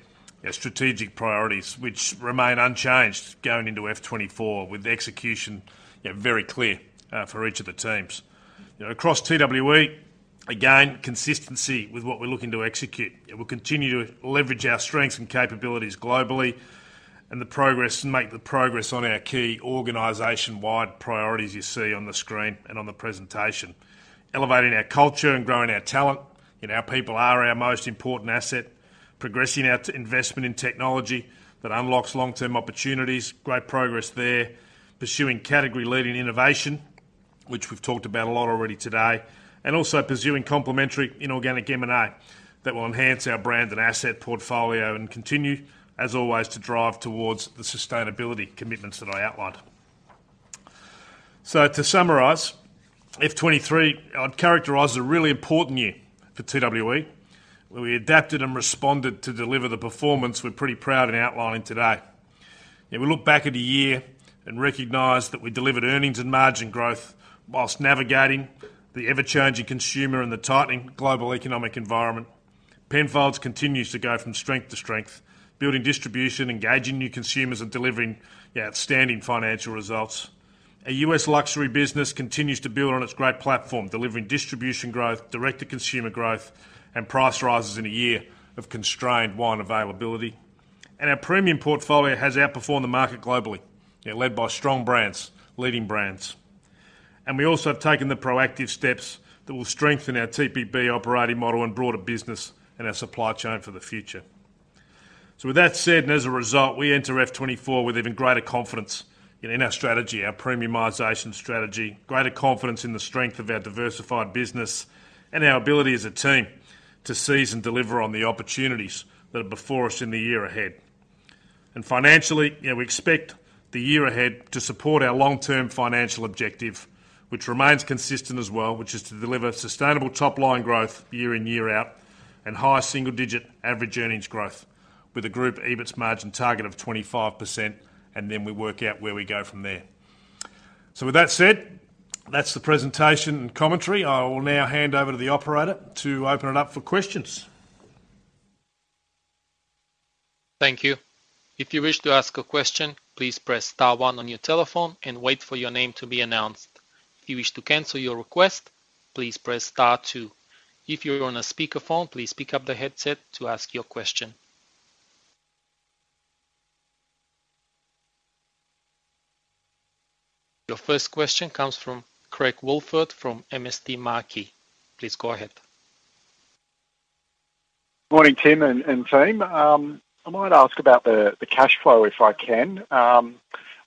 strategic priorities, which remain unchanged going into F 2024, with execution, very clear, for each of the teams. You know, across TWE, again, consistency with what we're looking to execute. It will continue to leverage our strengths and capabilities globally and make the progress on our key organization-wide priorities you see on the screen and on the presentation. Elevating our culture and growing our talent, and our people are our most important asset. Progressing our investment in technology that unlocks long-term opportunities, great progress there. Pursuing category-leading innovation-... which we've talked about a lot already today, and also pursuing complementary inorganic M&A that will enhance our brand and asset portfolio and continue, as always, to drive towards the sustainability commitments that I outlined. To summarize, F 2023, I'd characterize as a really important year for TWE, where we adapted and responded to deliver the performance we're pretty proud in outlining today. We look back at the year and recognize that we delivered earnings and margin growth whilst navigating the ever-changing consumer and the tightening global economic environment. Penfolds continues to go from strength to strength, building distribution, engaging new consumers, and delivering outstanding financial results. Our U.S. luxury business continues to build on its great platform, delivering distribution growth, direct-to-consumer growth, and price rises in a year of constrained wine availability. Our premium portfolio has outperformed the market globally, yeah, led by strong brands, leading brands. We also have taken the proactive steps that will strengthen our TPB operating model and broader business and our supply chain for the future. With that said, and as a result, we enter F 2024 with even greater confidence in, in our strategy, our premiumization strategy, greater confidence in the strength of our diversified business, and our ability as a team to seize and deliver on the opportunities that are before us in the year ahead. Financially, you know, we expect the year ahead to support our long-term financial objective, which remains consistent as well, which is to deliver sustainable top-line growth year in, year out, and high single-digit average earnings growth, with a group EBIT margin target of 25%, and then we work out where we go from there. With that said, that's the presentation and commentary. I will now hand over to the operator to open it up for questions. Thank you. If you wish to ask a question, please press star one on your telephone and wait for your name to be announced. If you wish to cancel your request, please press star two. If you're on a speakerphone, please pick up the headset to ask your question. Your first question comes from Craig Woolford from MST Marquee. Please go ahead. Morning, Tim and, and team. I might ask about the, the cash flow, if I can.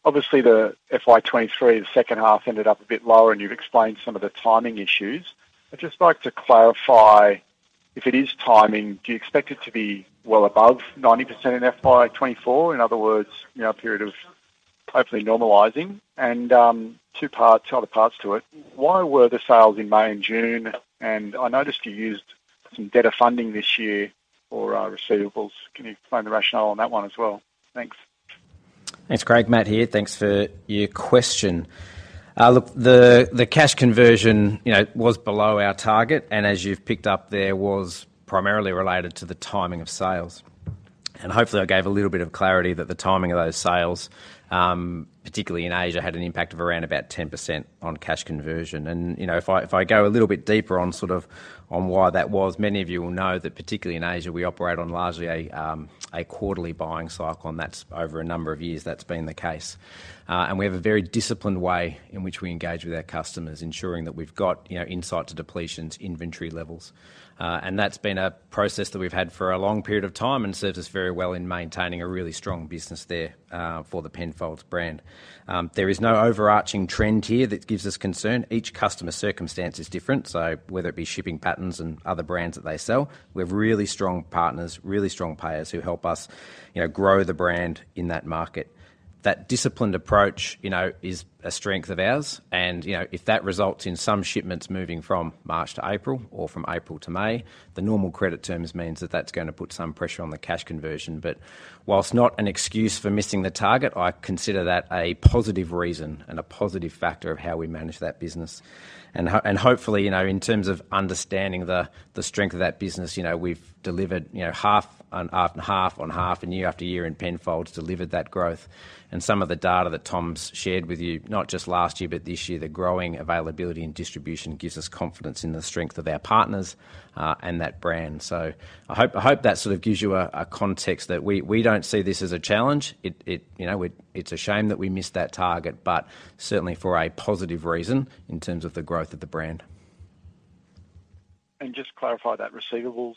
Obviously, the FY 2023, the second half ended up a bit lower, and you've explained some of the timing issues. I'd just like to clarify, if it is timing, do you expect it to be well above 90% in FY 2024? In other words, you know, a period of hopefully normalising. Two parts, other parts to it. Why were the sales in May and June? I noticed you used some debtor funding this year for, receivables. Can you explain the rationale on that one as well? Thanks. Thanks, Craig. Matt here. Thanks for your question. Look, the cash conversion, you know, was below our target, and as you've picked up there, was primarily related to the timing of sales. Hopefully, I gave a little bit of clarity that the timing of those sales, particularly in Asia, had an impact of around about 10% on cash conversion. You know, if I, if I go a little bit deeper on sort of on why that was, many of you will know that, particularly in Asia, we operate on largely a quarterly buying cycle, and that's over a number of years, that's been the case. We have a very disciplined way in which we engage with our customers, ensuring that we've got, you know, insight to depletions, inventory levels. That's been a process that we've had for a long period of time and served us very well in maintaining a really strong business there for the Penfolds brand. There is no overarching trend here that gives us concern. Each customer circumstance is different. Whether it be shipping patterns and other brands that they sell, we have really strong partners, really strong players who help us, you know, grow the brand in that market. That disciplined approach, you know, is a strength of ours, and, you know, if that results in some shipments moving from March to April or from April to May, the normal credit terms means that that's gonna put some pressure on the cash conversion. Whilst not an excuse for missing the target, I consider that a positive reason and a positive factor of how we manage that business. Hopefully, you know, in terms of understanding the, the strength of that business, you know, we've delivered, you know, half on half and half on half, and year after year, and Penfolds delivered that growth. Some of the data that Tom's shared with you, not just last year, but this year, the growing availability and distribution gives us confidence in the strength of our partners, and that brand. I hope, I hope that sort of gives you a, a context that we, we don't see this as a challenge. It, it, you know, it, it's a shame that we missed that target, but certainly for a positive reason in terms of the growth of the brand. Just to clarify that receivables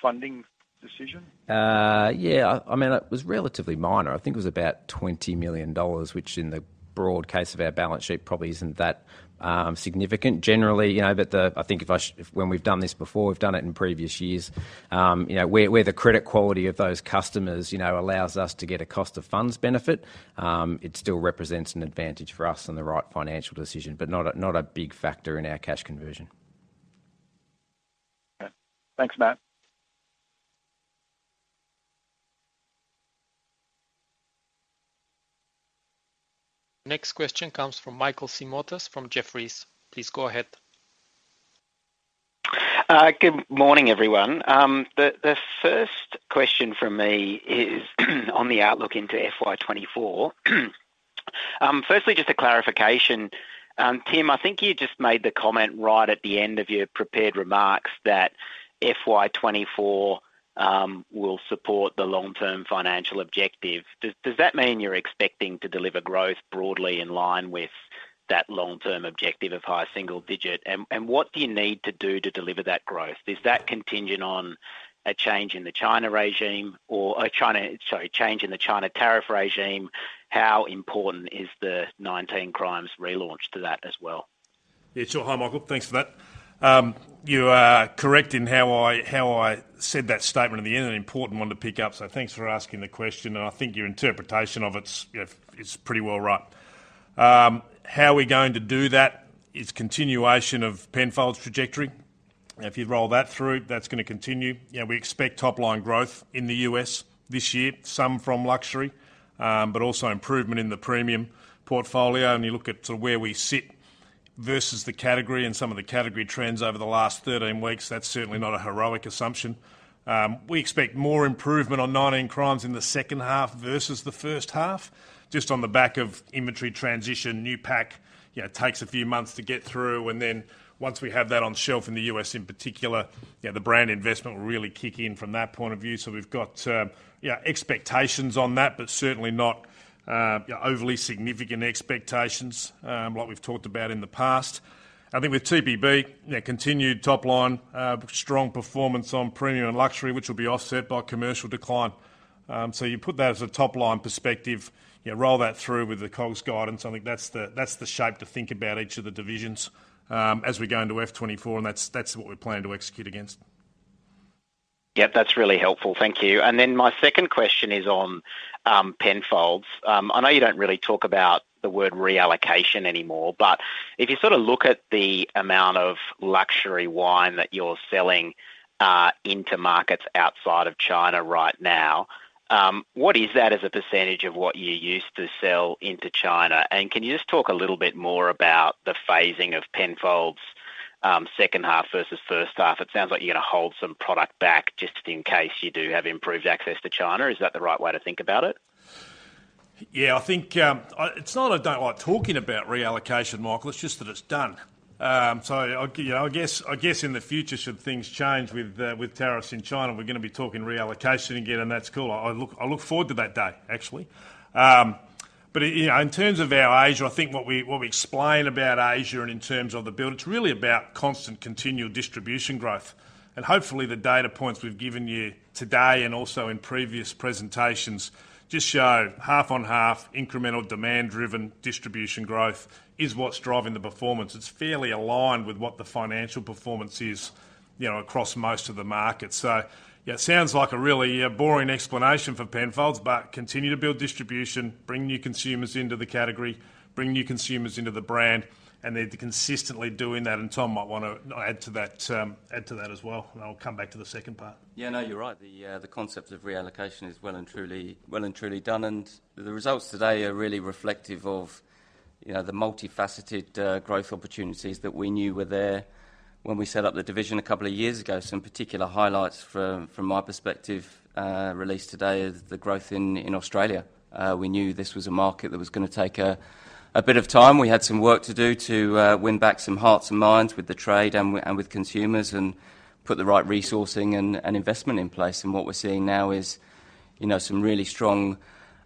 funding decision? Yeah, I mean, it was relatively minor. I think it was about $20 million, which in the broad case of our balance sheet, probably isn't that significant. Generally, you know, I think when we've done this before, we've done it in previous years, you know, where, where the credit quality of those customers, you know, allows us to get a cost of funds benefit, it still represents an advantage for us and the right financial decision, not a, not a big factor in our cash conversion. Okay. Thanks, Matt. Next question comes from Michael Simotas from Jefferies. Please go ahead. Good morning, everyone. The first question from me is on the outlook into FY 2024. Firstly, just a clarification. Tim, I think you just made the comment right at the end of your prepared remarks that FY 2024 will support the long-term financial objective. Does that mean you're expecting to deliver growth broadly in line with that long-term objective of high single-digit? What do you need to do to deliver that growth? Is that contingent on a change in the China regime or a China... change in the China tariff regime? How important is the 19 Crimes relaunch to that as well? Yeah, sure. Hi, Michael. Thanks for that. You are correct in how I, how I said that statement at the end, an important one to pick up, so thanks for asking the question. I think your interpretation of it's, you know, is pretty well right. How we're going to do that is continuation of Penfolds trajectory. If you roll that through, that's going to continue. Yeah, we expect top-line growth in the U.S. this year, some from luxury, but also improvement in the premium portfolio. You look at sort of where we sit versus the category and some of the category trends over the last 13 weeks, that's certainly not a heroic assumption. We expect more improvement on 19 Crimes in the second half versus the first half, just on the back of inventory transition. New pack, you know, takes a few months to get through. Then once we have that on shelf in the U.S. in particular, you know, the brand investment will really kick in from that point of view. We've got, yeah, expectations on that, but certainly not overly significant expectations, like we've talked about in the past. I think with TPB, yeah, continued top-line strong performance on premium and luxury, which will be offset by commercial decline. You put that as a top-line perspective, you know, roll that through with the COGS guidance. I think that's the, that's the shape to think about each of the divisions as we go into F 2024. That's, that's what we plan to execute against. Yeah, that's really helpful. Thank you. My second question is on Penfolds. I know you don't really talk about the word reallocation anymore, but if you sort of look at the amount of luxury wine that you're selling into markets outside of China right now, what is that as a percentage of what you used to sell into China? Can you just talk a little bit more about the phasing of Penfolds' second half versus first half? It sounds like you're going to hold some product back just in case you do have improved access to China. Is that the right way to think about it? Yeah, I think, it's not I don't like talking about reallocation, Michael, it's just that it's done. I, you know, I guess, I guess in the future, should things change with tariffs in China, we're going to be talking reallocation again, and that's cool. I look, I look forward to that day, actually. You know, in terms of our Asia, I think what we, what we explain about Asia and in terms of the build, it's really about constant continual distribution growth. Hopefully, the data points we've given you today and also in previous presentations just show half-on-half, incremental, demand-driven distribution growth is what's driving the performance. It's fairly aligned with what the financial performance is, you know, across most of the markets. Yeah, it sounds like a really boring explanation for Penfolds, but continue to build distribution, bring new consumers into the category, bring new consumers into the brand, and they're consistently doing that. Tom might want to add to that, add to that as well, and I'll come back to the second part. Yeah, no, you're right. The, the concept of reallocation is well and truly, well and truly done, and the results today are really reflective of, you know, the multifaceted, growth opportunities that we knew were there when we set up the division a couple of years ago. Some particular highlights from, from my perspective, released today is the growth in, in Australia. We knew this was a market that was going to take, a bit of time. We had some work to do to, win back some hearts and minds with the trade and with consumers and put the right resourcing and, and investment in place. What we're seeing now is, you know, some really strong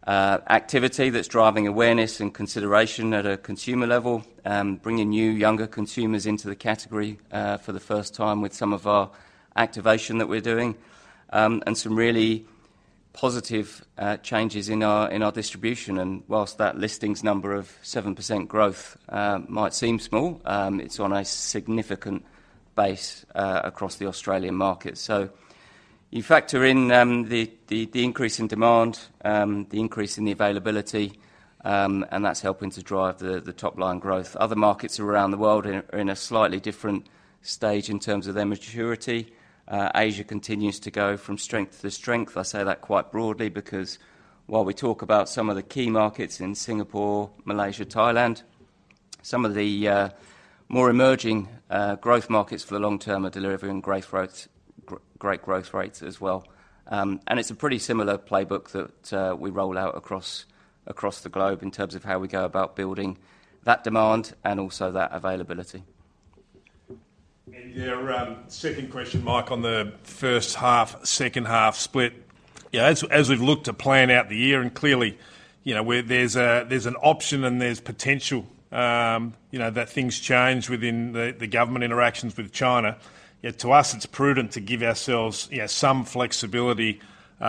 activity that's driving awareness and consideration at a consumer level, bringing new, younger consumers into the category for the first time with some of our activation that we're doing, and some really positive changes in our distribution. Whilst that listings number of 7% growth might seem small, it's on a significant base across the Australian market. You factor in the increase in demand, the increase in the availability, and that's helping to drive the top-line growth. Other markets around the world are in a slightly different stage in terms of their maturity. Asia continues to go from strength to strength. I say that quite broadly because while we talk about some of the key markets in Singapore, Malaysia, Thailand, some of the more emerging growth markets for the long term are delivering great growth, great growth rates as well. It's a pretty similar playbook that we roll out across, across the globe in terms of how we go about building that demand and also that availability. Yeah, second question, Mike, on the first half, second half split. Yeah, as, as we've looked to plan out the year, and clearly, you know, where there's a, there's an option and there's potential, you know, that things change within the, the government interactions with China. Yet to us, it's prudent to give ourselves, you know, some flexibility,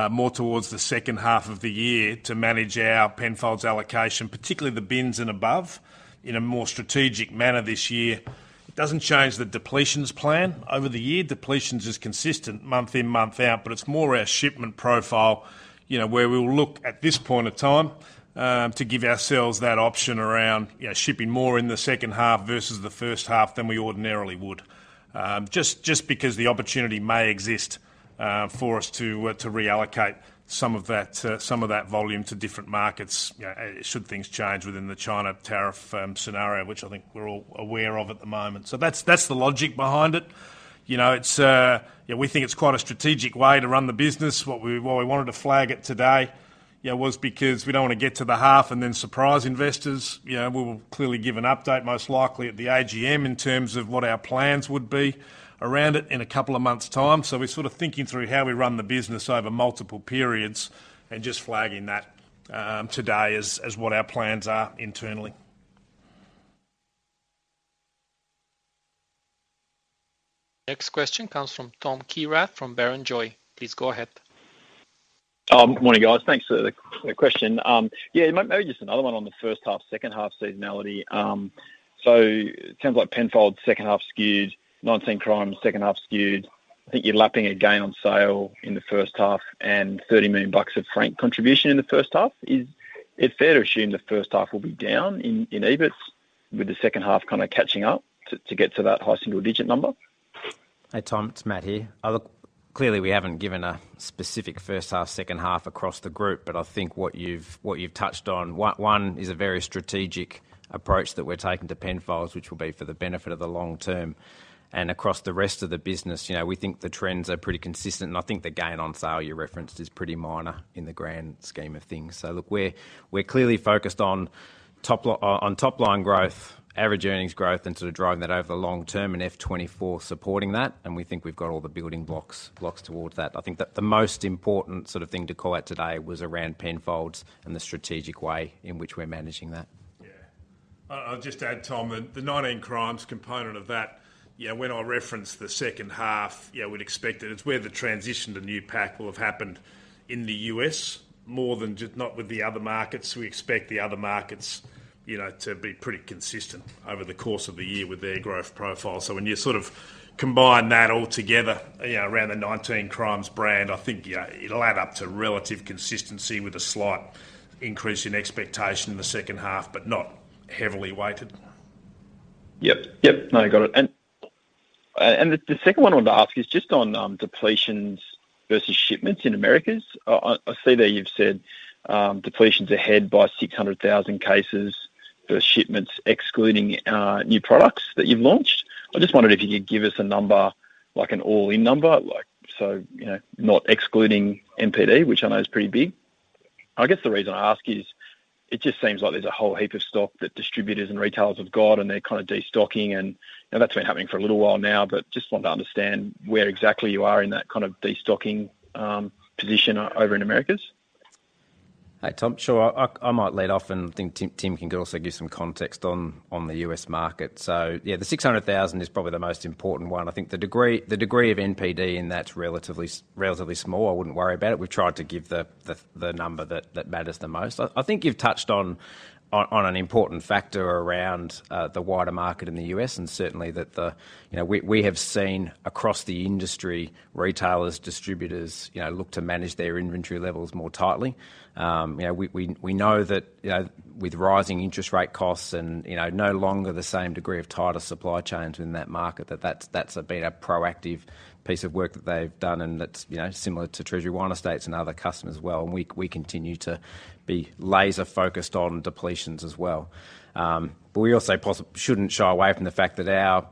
more towards the second half of the year to manage our Penfolds allocation, particularly the Bins and above, in a more strategic manner this year. It doesn't change the depletions plan. Over the year, depletions is consistent month in, month out, but it's more our shipment profile, you know, where we will look at this point in time, to give ourselves that option around, you know, shipping more in the second half versus the first half than we ordinarily would. Just, just because the opportunity may exist, for us to, to reallocate some of that, some of that volume to different markets, you know, should things change within the China tariff scenario, which I think we're all aware of at the moment. That's, that's the logic behind it. You know, it's, We think it's quite a strategic way to run the business. What we, why we wanted to flag it today, you know, was because we don't want to get to the half and then surprise investors. You know, we will clearly give an update, most likely at the AGM, in terms of what our plans would be around it in a couple of months' time. We're sort of thinking through how we run the business over multiple periods and just flagging that today as, as what our plans are internally. Next question comes from Tom Kierath from Barrenjoey. Please go ahead. Morning, guys. Thanks for the question. It sounds like Penfolds second half skewed, 19 Crimes second half skewed. I think you're lapping a gain on sale in the first half and 30 million bucks of Frank contribution in the first half. Is it fair to assume the first half will be down in EBIT, with the second half kind of catching up to get to that high single-digit number? Hey, Tom, it's Matt here. Look, clearly, we haven't given a specific first half, second half across the group, but I think what you've, what you've touched on, one, one is a very strategic approach that we're taking to Penfolds, which will be for the benefit of the long term. Across the rest of the business, you know, we think the trends are pretty consistent, and I think the gain on sale you referenced is pretty minor in the grand scheme of things. Look, we're, we're clearly focused on top li- on top line growth, average earnings growth, and sort of driving that over the long term, and F 2024 supporting that, and we think we've got all the building blocks, blocks towards that. I think that the most important sort of thing to call out today was around Penfolds and the strategic way in which we're managing that. Yeah. I, I'll just add, Tom, the, the 19 Crimes component of that, you know, when I referenced the second half, yeah, we'd expect it. It's where the transition to new pack will have happened in the U.S. more than just not with the other markets. We expect the other markets, you know, to be pretty consistent over the course of the year with their growth profile. When you sort of combine that all together, you know, around the 19 Crimes brand, I think, yeah, it'll add up to relative consistency with a slight increase in expectation in the second half, but not heavily weighted. Yep. Yep, no, I got it. The, the second one I wanted to ask is just on depletions versus shipments in Americas. I, I, I see that you've said depletions are ahead by 600,000 cases versus shipments, excluding new products that you've launched. I just wondered if you could give us a number, like an all-in number, like, so, you know, not excluding NPD, which I know is pretty big. I guess the reason I ask is, it just seems like there's a whole heap of stock that distributors and retailers have got, and they're kind of destocking, and, you know, that's been happening for a little while now, but just want to understand where exactly you are in that kind of destocking position over in Americas. Hey, Tom. Sure. I, I, I might lead off, and I think Tim, Tim can also give some context on, on the U.S. market. Yeah, the 600,000 is probably the most important one. I think the degree, the degree of NPD in that's relatively relatively small. I wouldn't worry about it. We've tried to give the, the, the number that, that matters the most. I, I think you've touched on, on, on an important factor around the wider market in the US, and certainly that the... You know, we, we have seen across the industry, retailers, distributors, you know, look to manage their inventory levels more tightly. You know, we know that, you know, with rising interest rate costs and, you know, no longer the same degree of tighter supply chains in that market, that's been a proactive piece of work that they've done, and that's, you know, similar to Treasury Wine Estates and other customers as well. We continue to be laser-focused on depletions as well. We also shouldn't shy away from the fact that our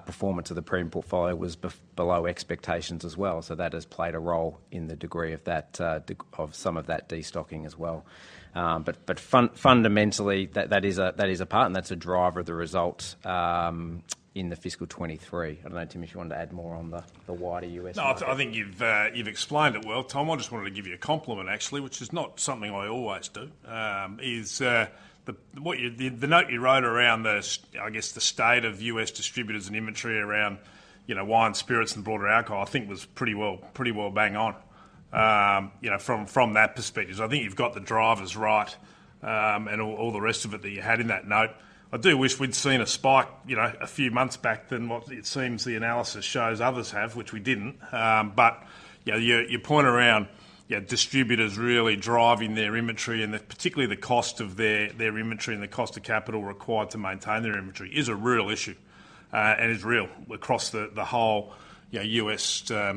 performance of the premium portfolio was below expectations as well, so that has played a role in the degree of that of some of that destocking as well. Fundamentally, that is a part, and that's a driver of the results in the fiscal 2023. I don't know, Tim, if you wanted to add more on the, the wider U.S. market? No, I think you've explained it well, Tom. I just wanted to give you a compliment, actually, which is not something I always do, is the note you wrote around I guess, the state of U.S. distributors and inventory around, you know, wine, spirits, and broader alcohol, I think was pretty well, pretty well bang on, you know, from that perspective. I think you've got the drivers right, and all the rest of it that you had in that note. I do wish we'd seen a spike, you know, a few months back than what it seems the analysis shows others have, which we didn't. You know, your, your point around, yeah, distributors really driving their inventory and the, particularly the cost of their, their inventory and the cost of capital required to maintain their inventory is a real issue, and is real across the, the whole, you know, U.S.,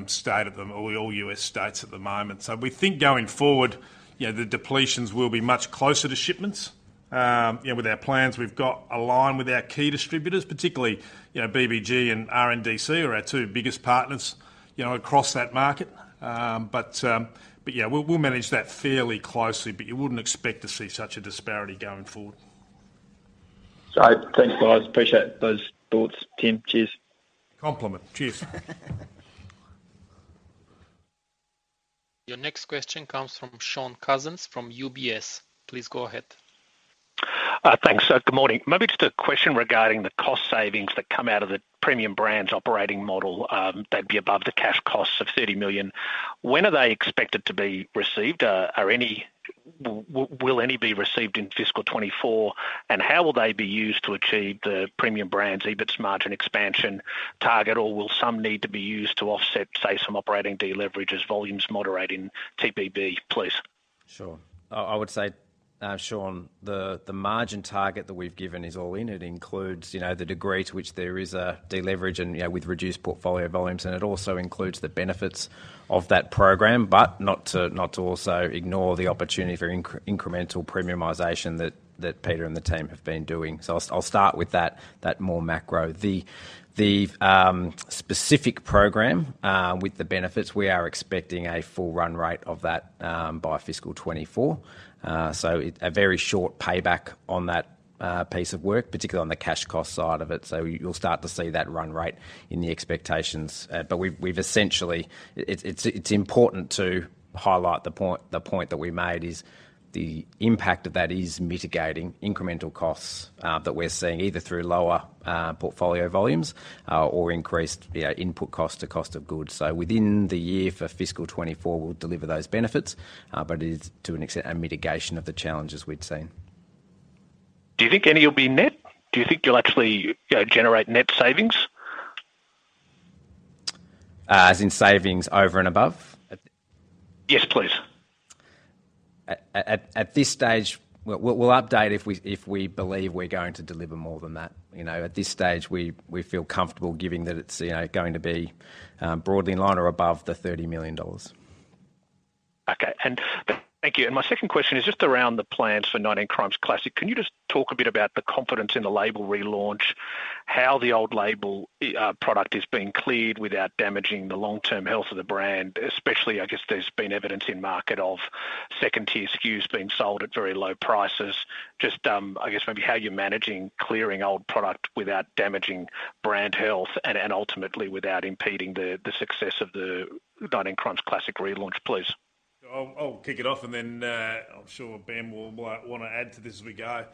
state of them, all U.S. states at the moment. We think going forward, you know, the depletions will be much closer to shipments. You know, with our plans, we've got aligned with our key distributors, particularly, you know, BBG and RNDC are our two biggest partners, you know, across that market. But yeah, we'll, we'll manage that fairly closely, but you wouldn't expect to see such a disparity going forward. Thanks, guys. Appreciate those thoughts, Tim. Cheers. Compliment. Cheers. Your next question comes from Shaun Cousins, from UBS. Please go ahead. Thanks. Good morning. Maybe just a question regarding the cost savings that come out of the Premium Brands operating model that'd be above the cash costs of 30 million. When are they expected to be received? Will any be received in fiscal 2024, and how will they be used to achieve the Premium Brands EBIT margin expansion target, or will some need to be used to offset, say, some operating deleverages, volumes moderating TPB, please? Sure. I would say, Shaun, the, the margin target that we've given is all-in. It includes, you know, the degree to which there is a deleverage and, you know, with reduced portfolio volumes, and it also includes the benefits of that program, but not to also ignore the opportunity for incremental premiumization that Peter and the team have been doing. I'll start with that, that more macro. The specific program, with the benefits, we are expecting a full run rate of that by fiscal 2024. A very short payback on that piece of work, particularly on the cash cost side of it. You'll start to see that run rate in the expectations. We've essentially... It's, it's important to highlight the point that we made is the impact of that is mitigating incremental costs that we're seeing either through lower portfolio volumes or increased, you know, input cost to cost of goods. Within the year for fiscal 2024, we'll deliver those benefits, but it is, to an extent, a mitigation of the challenges we've seen. Do you think any will be net? Do you think you'll actually generate net savings? As in savings over and above? Yes, please. At this stage, we'll update if we believe we're going to deliver more than that. You know, at this stage, we feel comfortable giving that it's going to be broadly in line or above the $30 million. Okay. Thank you. My second question is just around the plans for 19 Crimes Classic. Can you just talk a bit about the confidence in the label relaunch? How the old label, product is being cleared without damaging the long-term health of the brand, especially, I guess there's been evidence in market of second-tier SKUs being sold at very low prices. Just, I guess maybe how you're managing clearing old product without damaging brand health and, ultimately without impeding the success of the 19 Crimes Classic relaunch, please. I'll, I'll kick it off, and then, I'm sure Ben will wanna add to this as we go.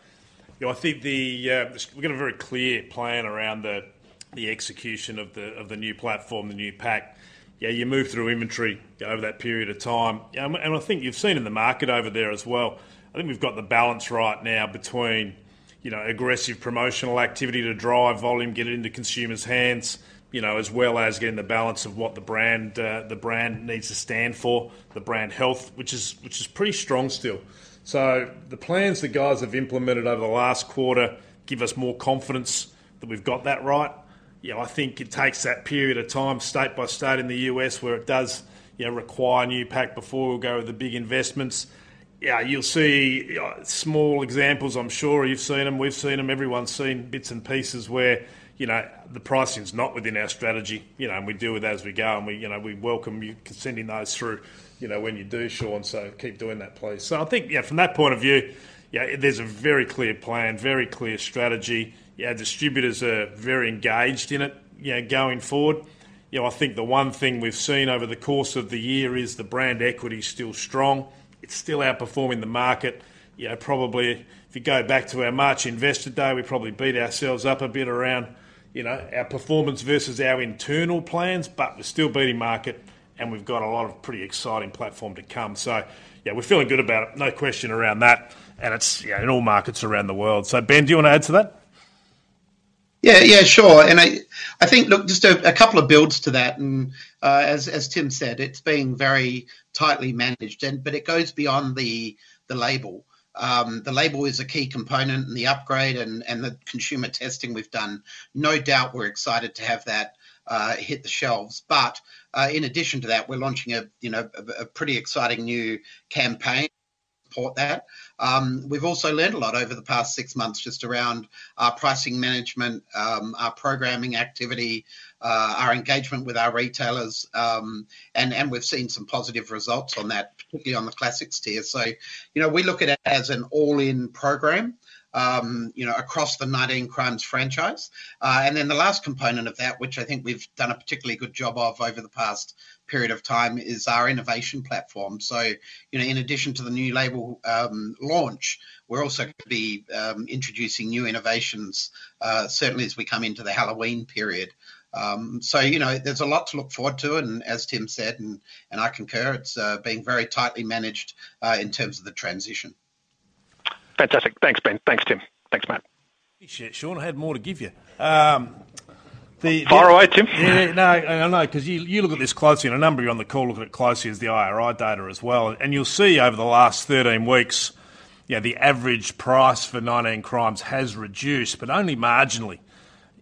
You know, I think the, we've got a very clear plan around the, the execution of the, of the new platform, the new pack. Yeah, you move through inventory over that period of time. I think you've seen in the market over there as well, I think we've got the balance right now between, you know, aggressive promotional activity to drive volume, get it into consumers' hands, you know, as well as getting the balance of what the brand, the brand needs to stand for, the brand health, which is, which is pretty strong still. The plans the guys have implemented over the last quarter give us more confidence that we've got that right. You know, I think it takes that period of time, state by state in the U.S., where it does, you know, require new pack before we'll go with the big investments. Yeah, you'll see, small examples. I'm sure you've seen them, we've seen them, everyone's seen bits and pieces where, you know, the pricing is not within our strategy, you know, and we deal with it as we go, and we, you know, we welcome you sending those through, you know, when you do, Shaun. Keep doing that, please. I think, yeah, from that point of view, yeah, there's a very clear plan, very clear strategy. Our distributors are very engaged in it, you know, going forward. You know, I think the one thing we've seen over the course of the year is the brand equity is still strong. It's still outperforming the market. You know, probably if you go back to our March Investor Day, we probably beat ourselves up a bit around, you know, our performance versus our internal plans, but we're still beating market, and we've got a lot of pretty exciting platform to come. Yeah, we're feeling good about it. No question around that, and it's, you know, in all markets around the world. Ben, do you want to add to that? Yeah, yeah, sure. I, I think, look, just a couple of builds to that, as Tim said, it's being very tightly managed and it goes beyond the label. The label is a key component, and the upgrade and the consumer testing we've done, no doubt, we're excited to have that hit the shelves. In addition to that, we're launching a, you know, a pretty exciting new campaign for that. We've also learned a lot over the past six months, just around our pricing management, our programming activity, our engagement with our retailers, and we've seen some positive results on that, particularly on the Classics tier. You know, we look at it as an all-in program, you know, across the 19 Crimes franchise. Then the last component of that, which I think we've done a particularly good job of over the past period of time, is our innovation platform. You know, in addition to the new label launch, we're also going to be introducing new innovations, certainly as we come into the Halloween period. You know, there's a lot to look forward to, and as Tim said, and I concur, it's being very tightly managed in terms of the transition. Fantastic. Thanks, Ben. Thanks, Tim. Thanks, Matt. Appreciate it, Shaun. I had more to give you. Fire away, Tim. Yeah, no, I know, 'cause you, you look at this closely, and a number of you on the call look at it closely as the IRI data as well, and you'll see over the last 13 weeks, yeah, the average price for 19 Crimes has reduced, but only marginally,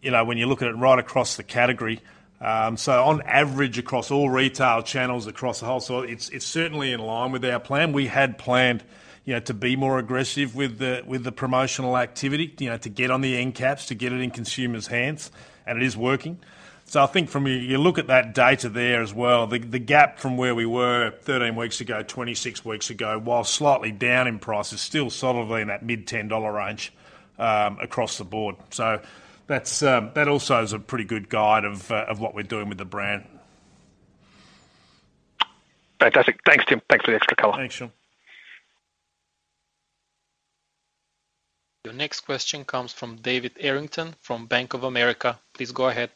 you know, when you look at it right across the category. On average, across all retail channels, across the wholesale, it's, it's certainly in line with our plan. We had planned, you know, to be more aggressive with the, with the promotional activity, you know, to get on the end caps, to get it in consumers' hands, and it is working. I think from a... you look at that data there as well, the, the gap from where we were 13 weeks ago, 26 weeks ago, while slightly down in price, is still solidly in that mid-$10 range across the board. That's, that also is a pretty good guide of what we're doing with the brand. Fantastic. Thanks, Tim. Thanks for the extra color. Thanks, Shaun. Your next question comes from David Errington from Bank of America. Please go ahead.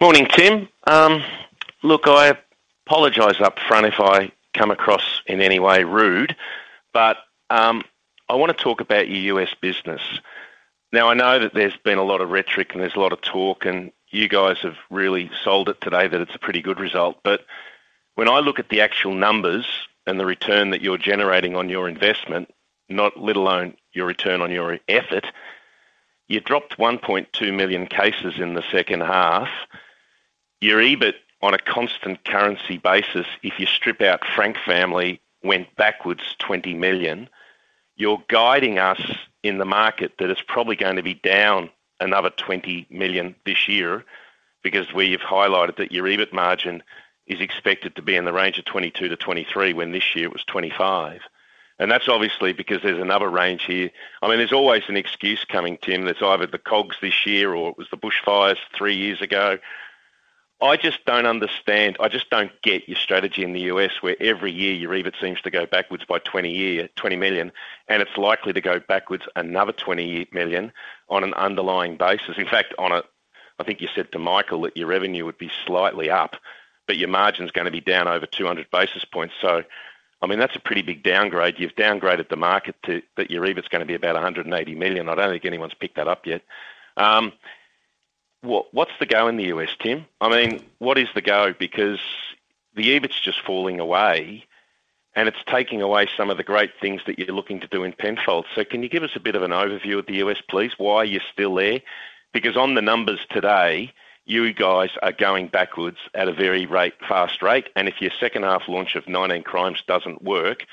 Morning, Tim. Look, I apologize up front if I come across in any way rude, but I want to talk about your U.S. business. Now, I know that there's been a lot of rhetoric and there's a lot of talk, and you guys have really sold it today that it's a pretty good result. When I look at the actual numbers and the return that you're generating on your investment, not let alone your return on your effort, you dropped 1.2 million cases in the second half. Your EBIT on a constant currency basis, if you strip out Frank Family, went backwards 20 million. You're guiding us in the market that it's probably going to be down another 20 million this year because we've highlighted that your EBIT margin is expected to be in the range of 22%-23%, when this year it was 25%. That's obviously because there's another range here. I mean, there's always an excuse coming, Tim, that's either the COGS this year or it was the bushfires three years ago. I just don't understand. I just don't get your strategy in the U.S., where every year your EBIT seems to go backwards by 20 year, 20 million, and it's likely to go backwards another 20 million on an underlying basis. In fact, on a... I think you said to Michael that your revenue would be slightly up, but your margin's going to be down over 200 basis points. I mean, that's a pretty big downgrade. You've downgraded the market to, that your EBIT's gonna be about 180 million. I don't think anyone's picked that up yet. What, what's the go in the U.S., Tim? I mean, what is the go? The EBIT's just falling away, and it's taking away some of the great things that you're looking to do in Penfolds. Can you give us a bit of an overview of the U.S., please? Why you're still there? On the numbers today, you guys are going backwards at a very rate, fast rate, and if your second half launch of 19 Crimes doesn't work,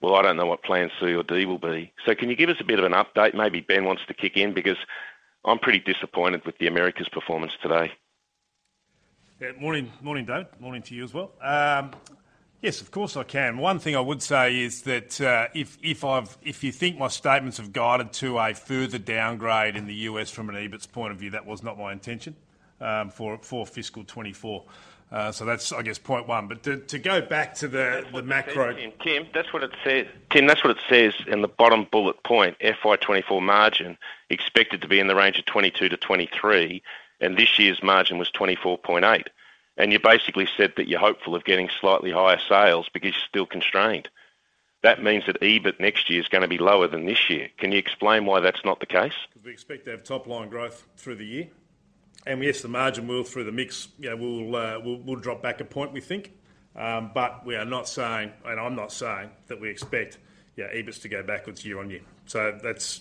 well, I don't know what plan C or D will be. Can you give us a bit of an update? Maybe Ben wants to kick in, because I'm pretty disappointed with the Americas performance today. Yeah, morning, morning, Dave. Morning to you as well. Yes, of course, I can. One thing I would say is that if, if you think my statements have guided to a further downgrade in the U.S. from an EBIT point of view, that was not my intention for fiscal 2024. That's, I guess, point one. To, to go back to the, the macro- Tim, that's what it says. Tim, that's what it says in the bottom bullet point, FY 2024 margin expected to be in the range of 22%-23%, and this year's margin was 24.8%. You basically said that you're hopeful of getting slightly higher sales because you're still constrained. That means that EBIT next year is gonna be lower than this year. Can you explain why that's not the case? We expect to have top-line growth through the year, and yes, the margin will, through the mix, will, will drop back 1 point, we think. We are not saying, and I'm not saying that we expect EBIT to go backwards year-on-year. That's,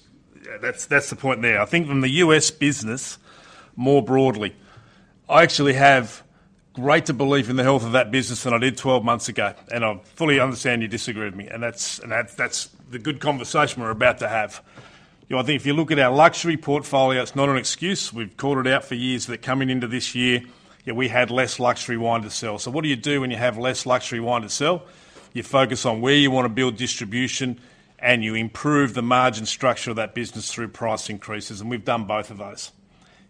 that's, that's the point there. I think from the U.S. business, more broadly, I actually have greater belief in the health of that business than I did 12 months ago, and I fully understand you disagree with me, and that's, and that, that's the good conversation we're about to have. You know, I think if you look at our luxury portfolio, it's not an excuse. We've called it out for years that coming into this year, we had less luxury wine to sell. What do you do when you have less luxury wine to sell? You focus on where you want to build distribution, and you improve the margin structure of that business through price increases, and we've done both of those.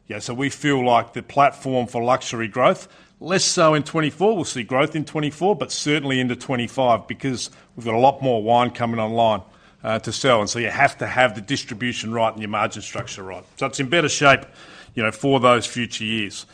Yeah, we feel like the platform for luxury growth, less so in 2024. We'll see growth in 2024, but certainly into 2025, because we've got a lot more wine coming online to sell, and so you have to have the distribution right and your margin structure right. It's in better shape, you know, for those future years.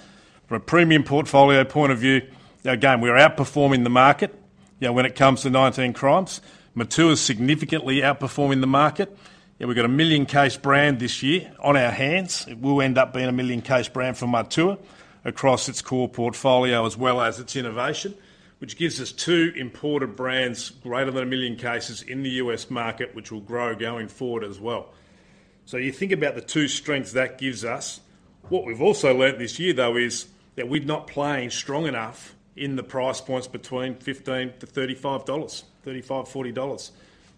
From a premium portfolio point of view, again, we're outperforming the market. You know, when it comes to 19 Crimes, Matua is significantly outperforming the market. Yeah, we've got a 1 million case brand this year on our hands. It will end up being a 1 million case brand for Matua across its core portfolio, as well as its innovation, which gives us 2 imported brands, greater than 1 million cases in the U.S. market, which will grow going forward as well. You think about the 2 strengths that gives us. What we've also learnt this year, though, is that we're not playing strong enough in the price points between $15-$35, $35-$40.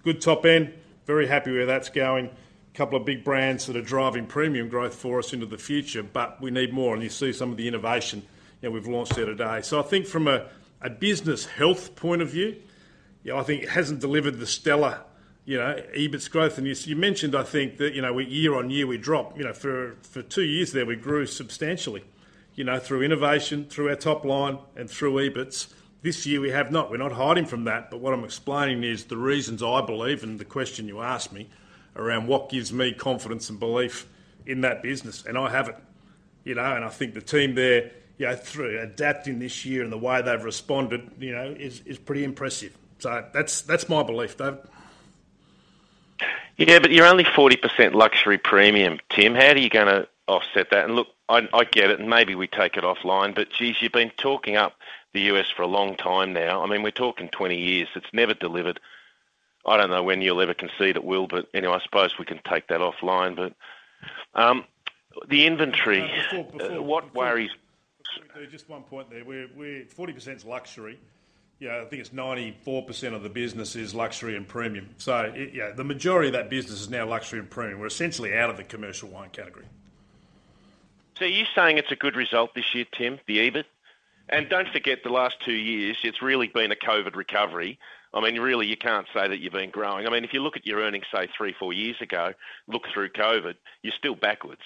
Good top end, very happy where that's going. Couple of big brands that are driving premium growth for us into the future, but we need more, and you see some of the innovation that we've launched there today. I think from a business health point of view, yeah, I think it hasn't delivered the stellar, you know, EBIT growth. You, you mentioned, I think, that, you know, we year-on-year, we dropped. You know, for, for 2 years there, we grew substantially, you know, through innovation, through our top line and through EBIT. This year, we have not. We're not hiding from that, but what I'm explaining is the reasons I believe, and the question you asked me, around what gives me confidence and belief in that business, and I have it. You know, and I think the team there, you know, through adapting this year and the way they've responded, you know, is, is pretty impressive. That's, that's my belief, Dave. Yeah, but you're only 40% luxury premium, Tim. How are you gonna offset that? Look, I, I get it, and maybe we take it offline, but jeez, you've been talking up the U.S. for a long time now. I mean, we're talking 20 years. It's never delivered. I don't know when you'll ever concede it will, but anyway, I suppose we can take that offline. The inventory, what worries- Just one point there. We're, we're 40% is luxury. Yeah, I think it's 94% of the business is luxury and premium. Yeah, the majority of that business is now luxury and premium. We're essentially out of the commercial wine category. Are you saying it's a good result this year, Tim, the EBIT? Don't forget, the last 2 years, it's really been a COVID recovery. I mean, really, you can't say that you've been growing. I mean, if you look at your earnings, say, 3, 4 years ago, look through COVID, you're still backwards.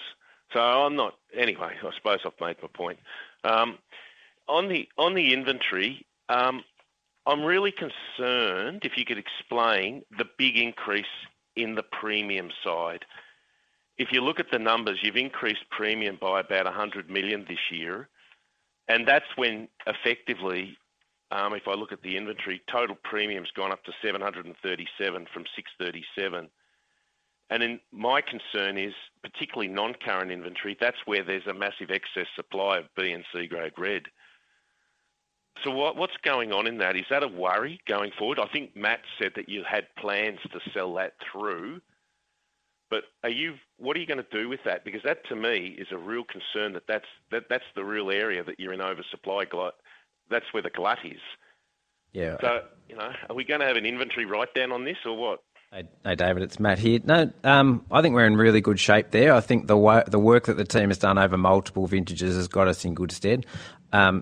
I'm not... Anyway, I suppose I've made my point. On the, on the inventory, I'm really concerned, if you could explain, the big increase in the premium side. If you look at the numbers, you've increased premium by about 100 million this year, and that's when, effectively, if I look at the inventory, total premium's gone up to 737 from 637. Then my concern is, particularly non-current inventory, that's where there's a massive excess supply of B and C grade red. What, what's going on in that? Is that a worry going forward? I think Matt said that you had plans to sell that through. What are you gonna do with that? Because that, to me, is a real concern that that's, that, that's the real area that you're in oversupply glut. That's where the glut is. Yeah. You know, are we going to have an inventory write-down on this or what? Hey, David, it's Matt here. No, I think we're in really good shape there. I think the wo- the work that the team has done over multiple vintages has got us in good stead.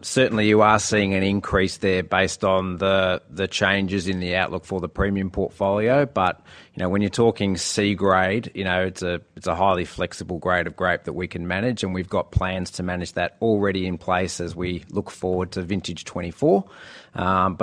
Certainly, you are seeing an increase there based on the, the changes in the outlook for the premium portfolio. You know, when you're talking C grade, you know, it's a, it's a highly flexible grade of grape that we can manage, and we've got plans to manage that already in place as we look forward to vintage 2024.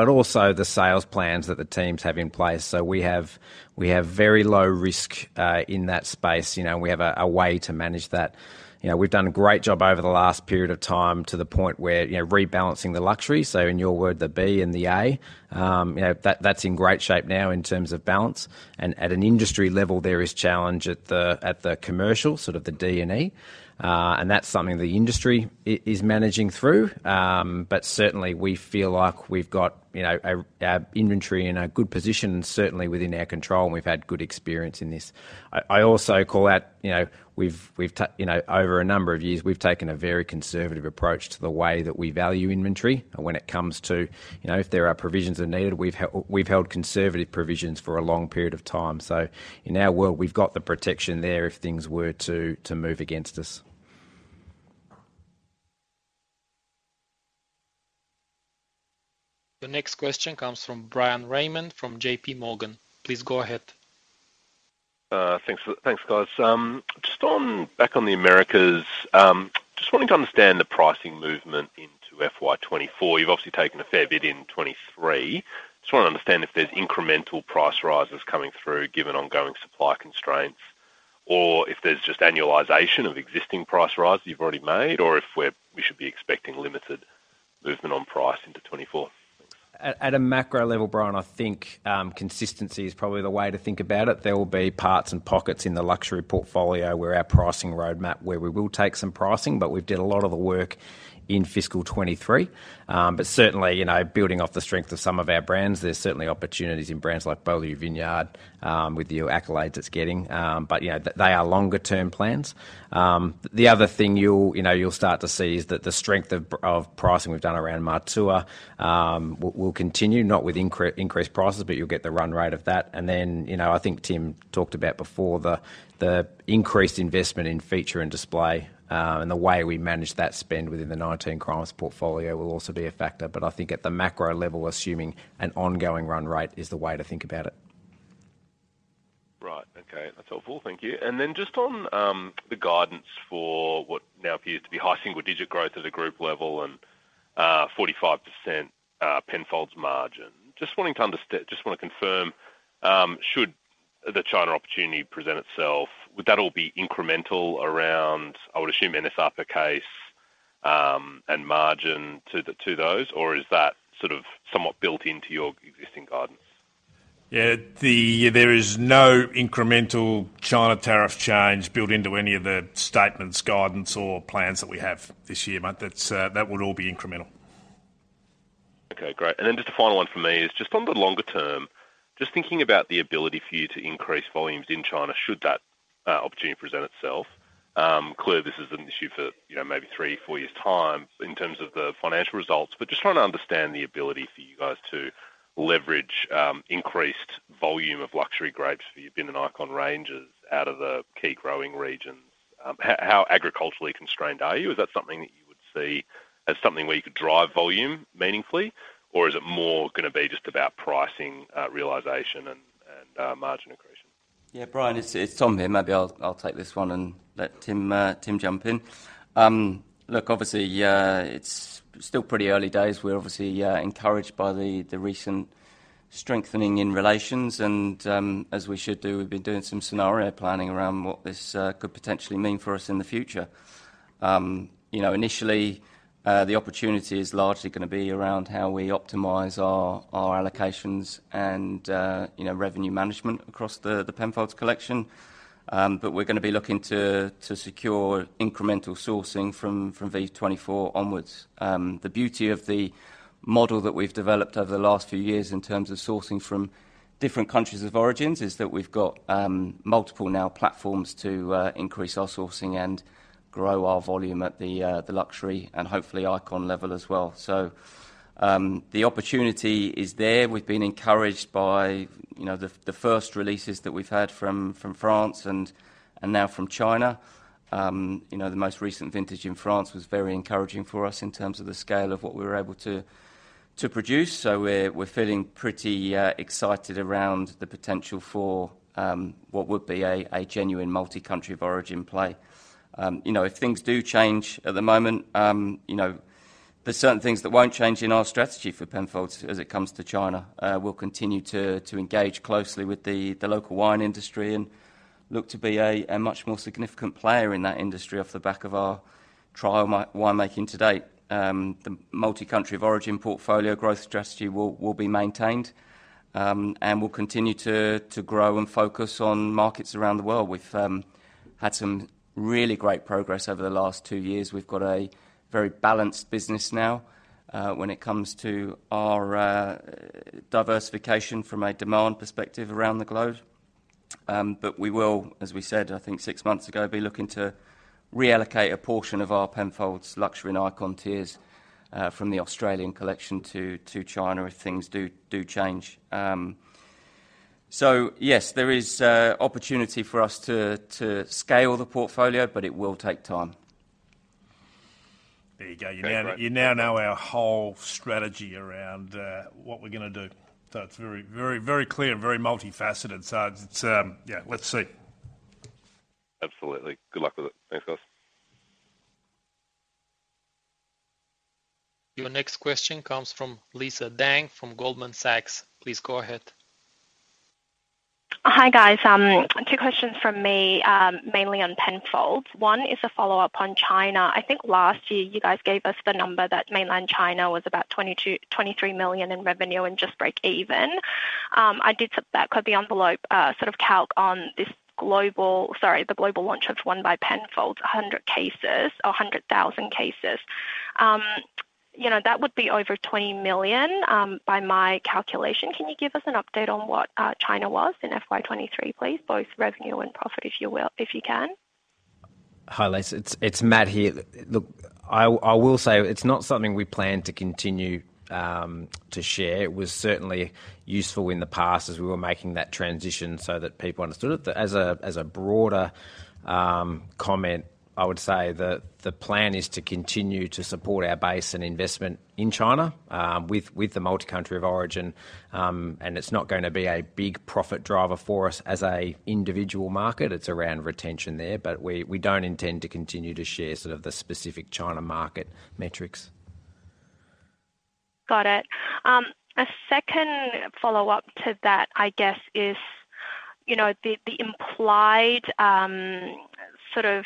Also the sales plans that the teams have in place. We have, we have very low risk in that space, you know, and we have a, a way to manage that. You know, we've done a great job over the last period of time to the point where, you know, rebalancing the luxury, so in your word, the B and the A. You know, that, that's in great shape now in terms of balance, and at an industry level, there is challenge at the, at the commercial, sort of the D and E. That's something the industry is managing through. Certainly we feel like we've got, you know, our, our inventory in a good position and certainly within our control, and we've had good experience in this. I, I also call out, you know, we've, we've, you know, over a number of years, we've taken a very conservative approach to the way that we value inventory. When it comes to, you know, if there are provisions are needed, we've held conservative provisions for a long period of time. In our world, we've got the protection there if things were to, to move against us. The next question comes from Bryan Raymond, from JPMorgan. Please go ahead. Thanks, guys. Just on, back on the Americas, just wanting to understand the pricing movement into FY 2024. You've obviously taken a fair bit in 2023. Just want to understand if there's incremental price rises coming through, given ongoing supply constraints, or if there's just annualisation of existing price rises you've already made, or if we're, we should be expecting limited movement on price into 2024? At a macro level, Bryan, I think, consistency is probably the way to think about it. There will be parts and pockets in the luxury portfolio where our pricing roadmap, where we will take some pricing, but we've did a lot of the work in fiscal 23. Certainly, you know, building off the strength of some of our brands, there's certainly opportunities in brands like Beaulieu Vineyard, with the accolades it's getting. You know, they are longer-term plans. The other thing you'll, you know, you'll start to see is that the strength of pricing we've done around Matua, will continue, not with increased prices, but you'll get the run rate of that. Then, you know, I think Tim talked about before the, the increased investment in feature and display, and the way we manage that spend within the 19 Crimes portfolio will also be a factor. I think at the macro level, assuming an ongoing run rate is the way to think about it. Right. Okay, that's helpful. Thank you. Then just on the guidance for what now appears to be high single-digit growth at a group level and 45% Penfolds margin, just want to confirm, should the China opportunity present itself, would that all be incremental around, I would assume, NSR per case, and margin to the, to those, or is that sort of somewhat built into your existing guidance? Yeah, There is no incremental China tariff change built into any of the statements, guidance, or plans that we have this year, Matt. That's, that would all be incremental. Okay, great. Then just a final one for me is just on the longer term, just thinking about the ability for you to increase volumes in China, should that opportunity present itself? Clear this is an issue for, you know, maybe three, four years' time in terms of the financial results, but just trying to understand the ability for you guys to leverage increased volume of luxury grapes for your Bin and Icon ranges out of the key growing regions. How agriculturally constrained are you? Is that something that you would see as something where you could drive volume meaningfully, or is it more gonna be just about pricing realization and margin accretion? Yeah, Bryan, it's, it's Tom King here. Maybe I'll, I'll take this one and let Tim Ford, Tim Ford jump in. Look, obviously, it's still pretty early days. We're obviously encouraged by the, the recent strengthening in relations, and as we should do, we've been doing some scenario planning around what this could potentially mean for us in the future. You know, initially, the opportunity is largely gonna be around how we optimize our, our allocations and, you know, revenue management across the, the Penfolds collection. We're gonna be looking to, to secure incremental sourcing from, from V 24 onwards. The beauty of the model that we've developed over the last few years in terms of sourcing from different countries of origins, is that we've got multiple now platforms to increase our sourcing and grow our volume at the luxury and hopefully Icon level as well. The opportunity is there. We've been encouraged by, you know, the first releases that we've had from France and now from China. You know, the most recent vintage in France was very encouraging for us in terms of the scale of what we were able to produce, so we're feeling pretty excited around the potential for what would be a genuine multi-country of origin play. You know, if things do change at the moment, you know, there's certain things that won't change in our strategy for Penfolds as it comes to China. We'll continue to engage closely with the local wine industry and look to be a much more significant player in that industry off the back of our trial winemaking to date. The multi-country of origin portfolio growth strategy will be maintained and will continue to grow and focus on markets around the world. We've had some really great progress over the last two years. We've got a very balanced business now when it comes to our diversification from a demand perspective around the globe. We will, as we said, I think 6 months ago, be looking to reallocate a portion of our Penfolds luxury and Icon tiers, from the Australian collection to, to China, if things do, do change. Yes, there is opportunity for us to, to scale the portfolio, but it will take time. There you go. You now, you now know our whole strategy around, what we're gonna do. It's very, very, very clear and very multifaceted. It's, yeah, let's see. Absolutely. Good luck with it. Thanks, guys. Your next question comes from Lisa Deng from Goldman Sachs. Please go ahead. Hi, guys. Two questions from me, mainly on Penfolds. One is a follow-up on China. I think last year you guys gave us the number that mainland China was about 22 million-23 million in revenue and just break even. I did some back-of-the-envelope, sort of calc on this global, sorry, the global launch of One by Penfolds, 100 cases or 100,000 cases. You know, that would be over 20 million by my calculation. Can you give us an update on what China was in FY 2023, please? Both revenue and profit, if you will, if you can. Hi, Lisa. It's Matt here. I will say it's not something we plan to continue to share. It was certainly useful in the past as we were making that transition so that people understood it. As a broader comment, I would say that the plan is to continue to support our base and investment in China with the multi-country of origin, and it's not gonna be a big profit driver for us as an individual market. It's around retention there, but we don't intend to continue to share sort of the specific China market metrics. Got it. A second follow-up to that, I guess, is, you know, the, the implied, sort of,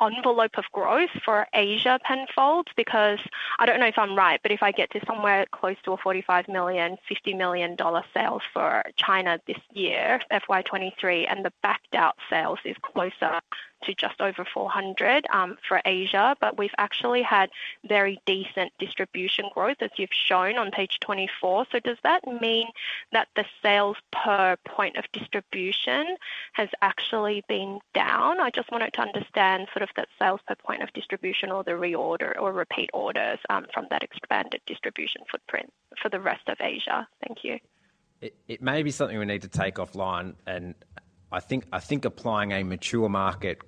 envelope of growth for Asia Penfolds, because I don't know if I'm right, but if I get to somewhere close to a $45 million-$50 million sales for China this year, FY 2023, and the backed-out sales is closer to just over $400 million for Asia, but we've actually had very decent distribution growth, as you've shown on page 24. Does that mean that the sales per point of distribution has actually been down? I just wanted to understand sort of that sales per point of distribution or the reorder or repeat orders from that expanded distribution footprint for the rest of Asia. Thank you. It may be something we need to take offline, and I think applying a mature market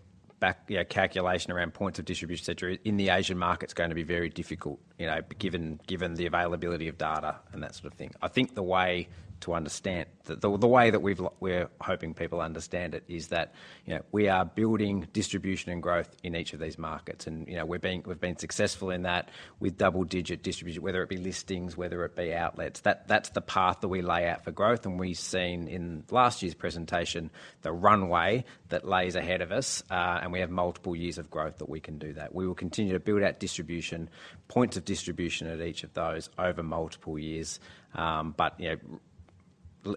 back, calculation around points of distribution, et cetera, in the Asian market is gonna be very difficult, you know, given the availability of data and that sort of thing. I think the way to understand. The way that we're hoping people understand it is that, you know, we are building distribution and growth in each of these markets, and, you know, we've been successful in that with double-digit distribution, whether it be listings, whether it be outlets. That's the path that we lay out for growth, and we've seen in last year's presentation, the runway that lays ahead of us, and we have multiple years of growth that we can do that. We will continue to build out distribution, point of distribution at each of those over multiple years. You know,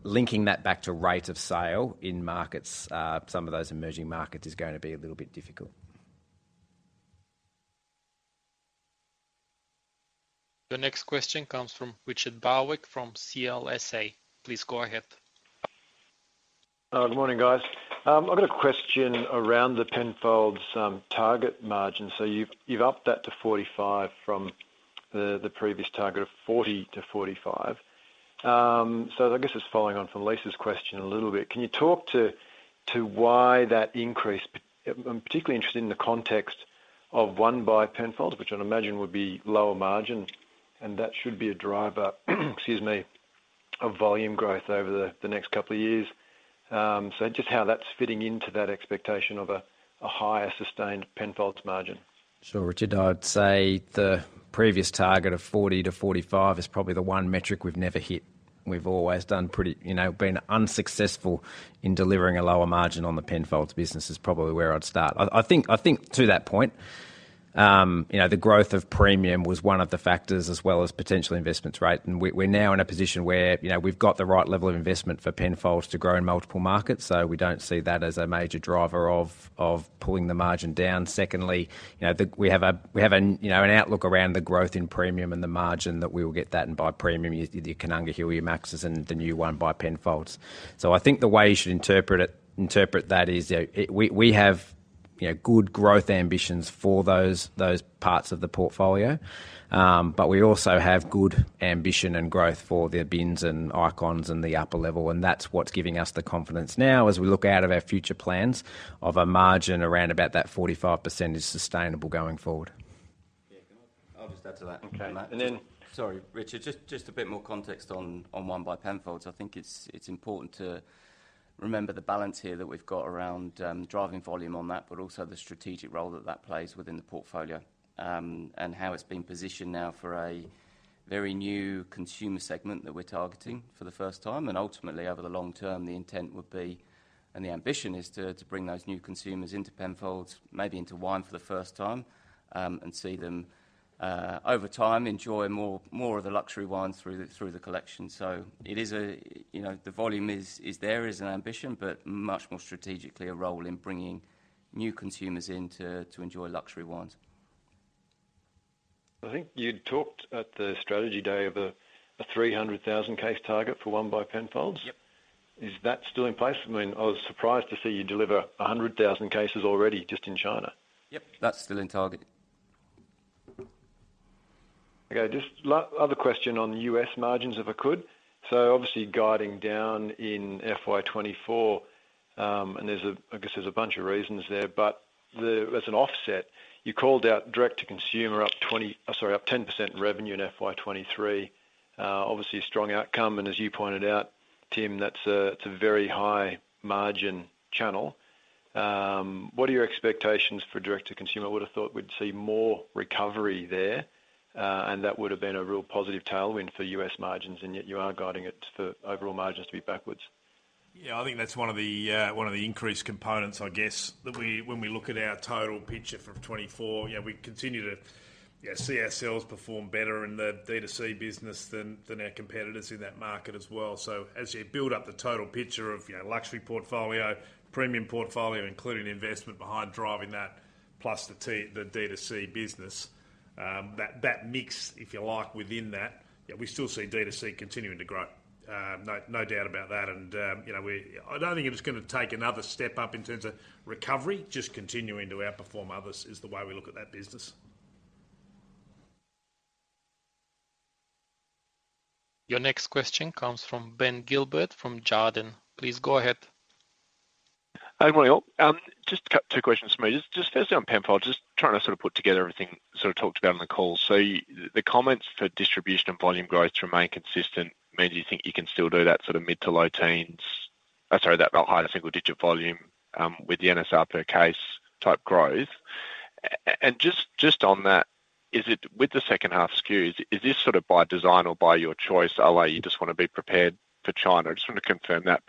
linking that back to rate of sale in markets, some of those emerging markets, is gonna be a little bit difficult. The next question comes from Richard Barwick from CLSA. Please go ahead. Good morning, guys. I've got a question around the Penfolds target margin. You've, you've upped that to 45% from the previous target of 40%-45%. I guess it's following on from Lisa's question a little bit. Can you talk to why that increase? I'm particularly interested in the context of One by Penfolds, which I'd imagine would be lower margin, and that should be a driver, excuse me, of volume growth over the next couple of years. Just how that's fitting into that expectation of a higher sustained Penfolds margin. Sure, Richard. I'd say the previous target of 40%-45% is probably the one metric we've never hit. We've always done pretty, you know, been unsuccessful in delivering a lower margin on the Penfolds business, is probably where I'd start. I, I think, I think to that point, you know, the growth of premium was one of the factors, as well as potential investments, right? We, we're now in a position where, you know, we've got the right level of investment for Penfolds to grow in multiple markets, so we don't see that as a major driver of, of pulling the margin down. Secondly, you know, We have an, you know, an outlook around the growth in premium and the margin, that we will get that, and by premium, you, the Koonunga Hill, Max's, and the new One by Penfolds. I think the way you should interpret it, interpret that is, we, we have, you know, good growth ambitions for those, those parts of the portfolio. We also have good ambition and growth for their Bins and Icons and the upper level, and that's what's giving us the confidence now, as we look out of our future plans, of a margin around about that 45% is sustainable going forward. Yeah. I'll just add to that. Okay, Matt. Sorry, Richard, just, just a bit more context on, on One by Penfolds. I think it's, it's important to remember the balance here that we've got around driving volume on that, but also the strategic role that that plays within the portfolio, and how it's been positioned now for a very new consumer segment that we're targeting for the first time. Ultimately, over the long term, the intent would be, and the ambition is to, to bring those new consumers into Penfolds, maybe into wine for the first time, and see them over time, enjoy more, more of the luxury wines through the, through the collection. It is a, you know, the volume is, is there as an ambition, but much more strategically, a role in bringing new consumers in to, to enjoy luxury wines. I think you talked at the strategy day of a 300,000 case target for One by Penfolds? Yep. Is that still in place? I mean, I was surprised to see you deliver 100,000 cases already just in China. Yep, that's still in target. Okay, just other question on the U.S. margins, if I could. Obviously guiding down in FY 2024, there's a, I guess there's a bunch of reasons there, but the, as an offset, you called out direct-to-consumer up, sorry, up 10% in revenue in FY 2023. Obviously a strong outcome, and as you pointed out, Tim, that's a, it's a very high margin channel. What are your expectations for direct-to-consumer? I would have thought we'd see more recovery there, and that would have been a real positive tailwind for U.S. margins, and yet you are guiding it for overall margins to be backwards. Yeah, I think that's one of the one of the increased components, I guess, that we when we look at our total picture for 2024, you know, we continue to, yeah, see our sales perform better in the D2C business than, than our competitors in that market as well. As you build up the total picture of, you know, luxury portfolio, premium portfolio, including the investment behind driving that, plus the D2C business, that, that mix, if you like, within that, yeah, we still see D2C continuing to grow. No, no doubt about that. You know, we I don't think it is gonna take another step up in terms of recovery, just continuing to outperform others is the way we look at that business. Your next question comes from Ben Gilbert, from Jarden. Please go ahead. Hi, morning, all. Just a couple, two questions for me. Just firstly on Penfolds, just trying to sort of put together everything sort of talked about on the call. The comments for distribution and volume growth to remain consistent, mean, do you think you can still do that sort of mid-to-low teens? Sorry, that high-to-single-digit volume, with the NSR per case type growth. Just on that, is it with the second half SKUs, is this sort of by design or by your choice, or like you just want to be prepared for China? I just want to confirm that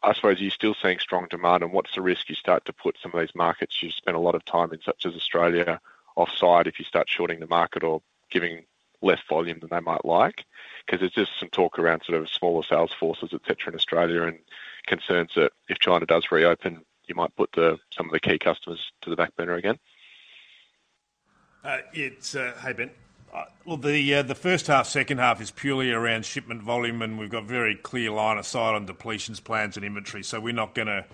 because I, I suppose you're still seeing strong demand, and what's the risk you start to put some of these markets you've spent a lot of time in, such as Australia, offside, if you start shorting the market or giving less volume than they might like? 'Cause there's just some talk around sort of smaller sales forces, et cetera, in Australia, and concerns that if China does reopen, you might put the, some of the key customers to the back burner again. Hey, Ben. Well, the, the first half, second half is purely around shipment volume, and we've got a very clear line of sight on depletions plans and inventory, so we're not gonna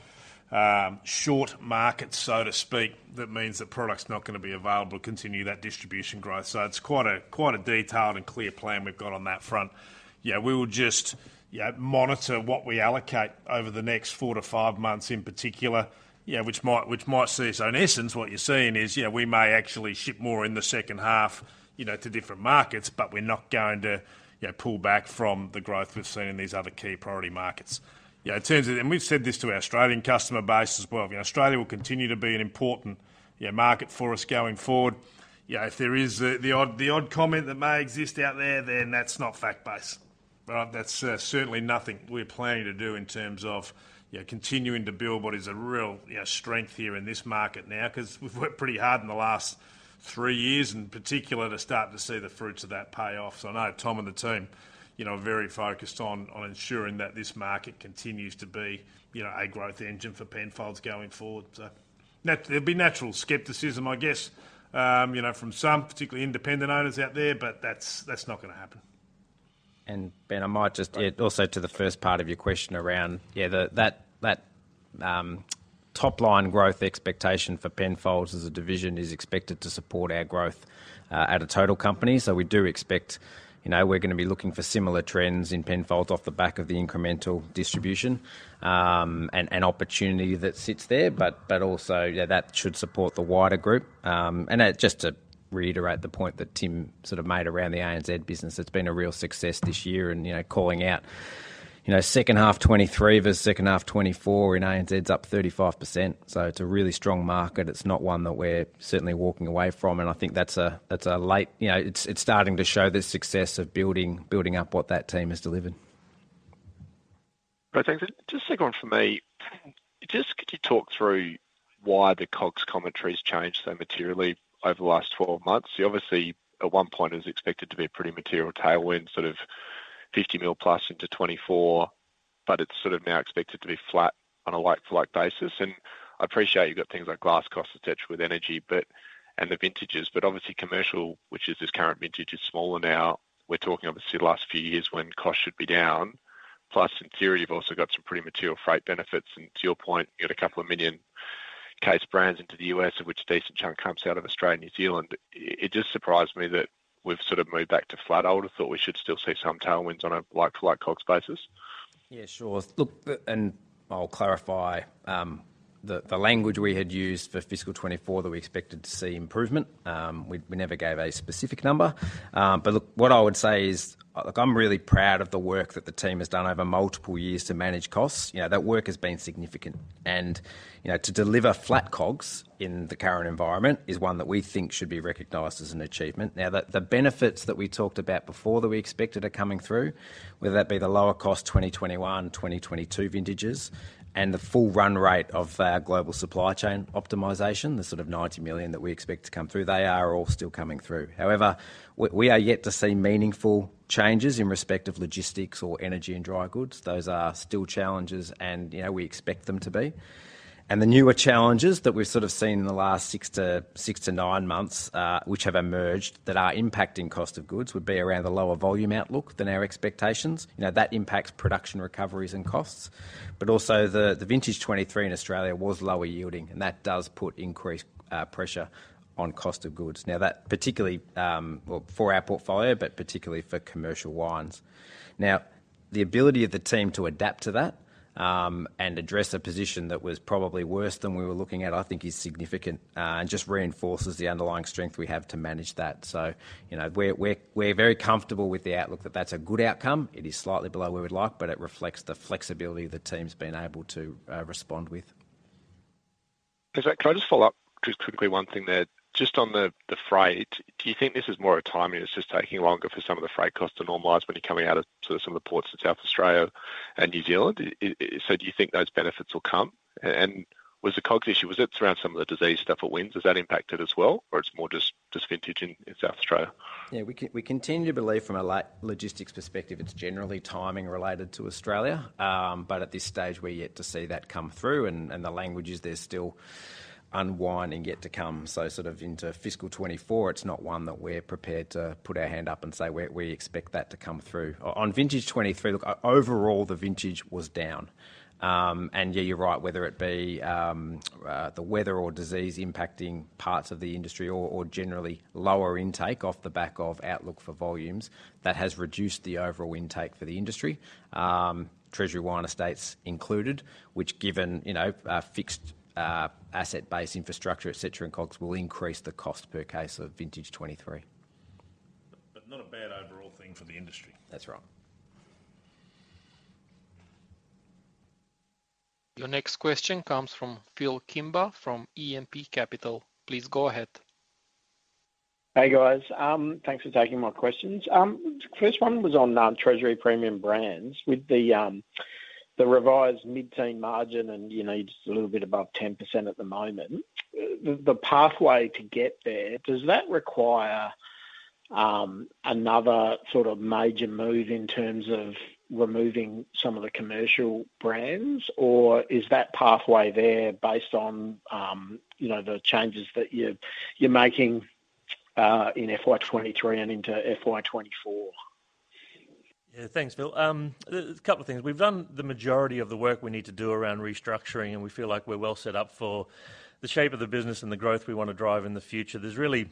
short market, so to speak. That means the product's not gonna be available to continue that distribution growth. It's quite a, quite a detailed and clear plan we've got on that front. Yeah, we will just, yeah, monitor what we allocate over the next four to five months in particular, yeah, which might, which might see us. In essence, what you're seeing is, you know, we may actually ship more in the second half, you know, to different markets, but we're not going to, you know, pull back from the growth we've seen in these other key priority markets. You know, in terms of, we've said this to our Australian customer base as well, you know, Australia will continue to be an important market for us going forward. You know, if there is the odd, the odd comment that may exist out there, then that's not fact-based. That's certainly nothing we're planning to do in terms of, you know, continuing to build what is a real, you know, strength here in this market now, 'cause we've worked pretty hard in the last three years, in particular, to start to see the fruits of that pay off. I know Tom and the team, you know, are very focused on, on ensuring that this market continues to be, you know, a growth engine for Penfolds going forward. There'll be natural skepticism, I guess, you know, from some, particularly independent owners out there, but that's, that's not gonna happen. Ben, I might just also to the first part of your question around. The, that, that top line growth expectation for Penfolds as a division is expected to support our growth at a total company. We do expect we're gonna be looking for similar trends in Penfolds off the back of the incremental distribution and opportunity that sits there. Also, that should support the wider group. Then just to reiterate the point that Tim sort of made around the ANZ business, it's been a real success this year and calling out second half 2023 versus second half 2024 in ANZ, it's up 35%. It's a really strong market. It's not one that we're certainly walking away from, and I think that's a, that's a you know, it's, it's starting to show the success of building, building up what that team has delivered. Great, thanks. Just second one for me. Just could you talk through why the COGS commentary's changed so materially over the last 12 months? Obviously, at one point, it was expected to be a pretty material tailwind, sort of 50 million+ into 2024, but it's sort of now expected to be flat on a like-to-like basis. I appreciate you've got things like glass costs, et cetera, with energy, but, and the vintages, but obviously, commercial, which is this current vintage, is smaller now. We're talking obviously the last few years when costs should be down, plus in theory, you've also got some pretty material freight benefits, and to your point, you had 2 million case brands into the U.S., of which a decent chunk comes out of Australia and New Zealand. It just surprised me that we've sort of moved back to flat. I would have thought we should still see some tailwinds on a like-for-like COGS basis. Yeah, sure. Look. I'll clarify the language we had used for fiscal 2024, that we expected to see improvement. We never gave a specific number. Look, what I would say is, look, I'm really proud of the work that the team has done over multiple years to manage costs. You know, that work has been significant, and, you know, to deliver flat COGS in the current environment is one that we think should be recognized as an achievement. Now, the benefits that we talked about before that we expected are coming through, whether that be the lower cost 2021, 2022 vintages, and the full run rate of our global supply chain optimization, the sort of 90 million that we expect to come through, they are all still coming through. However, we, we are yet to see meaningful changes in respect of logistics or energy and dry goods. Those are still challenges and, you know, we expect them to be. The newer challenges that we've sort of seen in the last six to nine months, which have emerged that are impacting cost of goods, would be around the lower volume outlook than our expectations. You know, that impacts production recoveries and costs, but also the, the vintage 23 in Australia was lower yielding, and that does put increased pressure on cost of goods. Now, that particularly, well, for our portfolio, but particularly for commercial wines. The ability of the team to adapt to that, and address a position that was probably worse than we were looking at, I think is significant, and just reinforces the underlying strength we have to manage that. You know, we're, we're, we're very comfortable with the outlook, that that's a good outcome. It is slightly below where we'd like, but it reflects the flexibility the team's been able to, respond with. In fact, can I just follow up just quickly, one thing there. Just on the, the freight, do you think this is more a timing, it's just taking longer for some of the freight costs to normalize when you're coming out of sort of some of the ports in South Australia and New Zealand? Do you think those benefits will come? Was the COGS issue, was it around some of the disease stuff or winds, has that impacted as well, or it's more just, just vintage in, in South Australia? Yeah, we continue to believe from a logistics perspective, it's generally timing related to Australia. At this stage, we're yet to see that come through, and the languages, they're still unwinding, yet to come. Sort of into fiscal 24, it's not one that we're prepared to put our hand up and say we expect that to come through. On vintage 23, look, overall, the vintage was down. Yeah, you're right, whether it be the weather or disease impacting parts of the industry or generally lower intake off the back of outlook for volumes, that has reduced the overall intake for the industry. Treasury Wine Estates included, which given, you know, a fixed asset base, infrastructure, et cetera, and COGS will increase the cost per case of vintage 23. Not a bad overall thing for the industry. That's right. Your next question comes from Phil Kimber, from E&P Capital. Please go ahead. Hey, guys. Thanks for taking my questions. The first one was on Treasury Premium Brands. With the revised mid-teen margin and, you know, just a little bit above 10% at the moment, the pathway to get there, does that require another sort of major move in terms of removing some of the commercial brands? Or is that pathway there based on, you know, the changes that you're, you're making in FY 2023 and into FY 2024? Yeah. Thanks, Phil. There's a couple of things. We've done the majority of the work we need to do around restructuring, and we feel like we're well set up for the shape of the business and the growth we want to drive in the future. There's really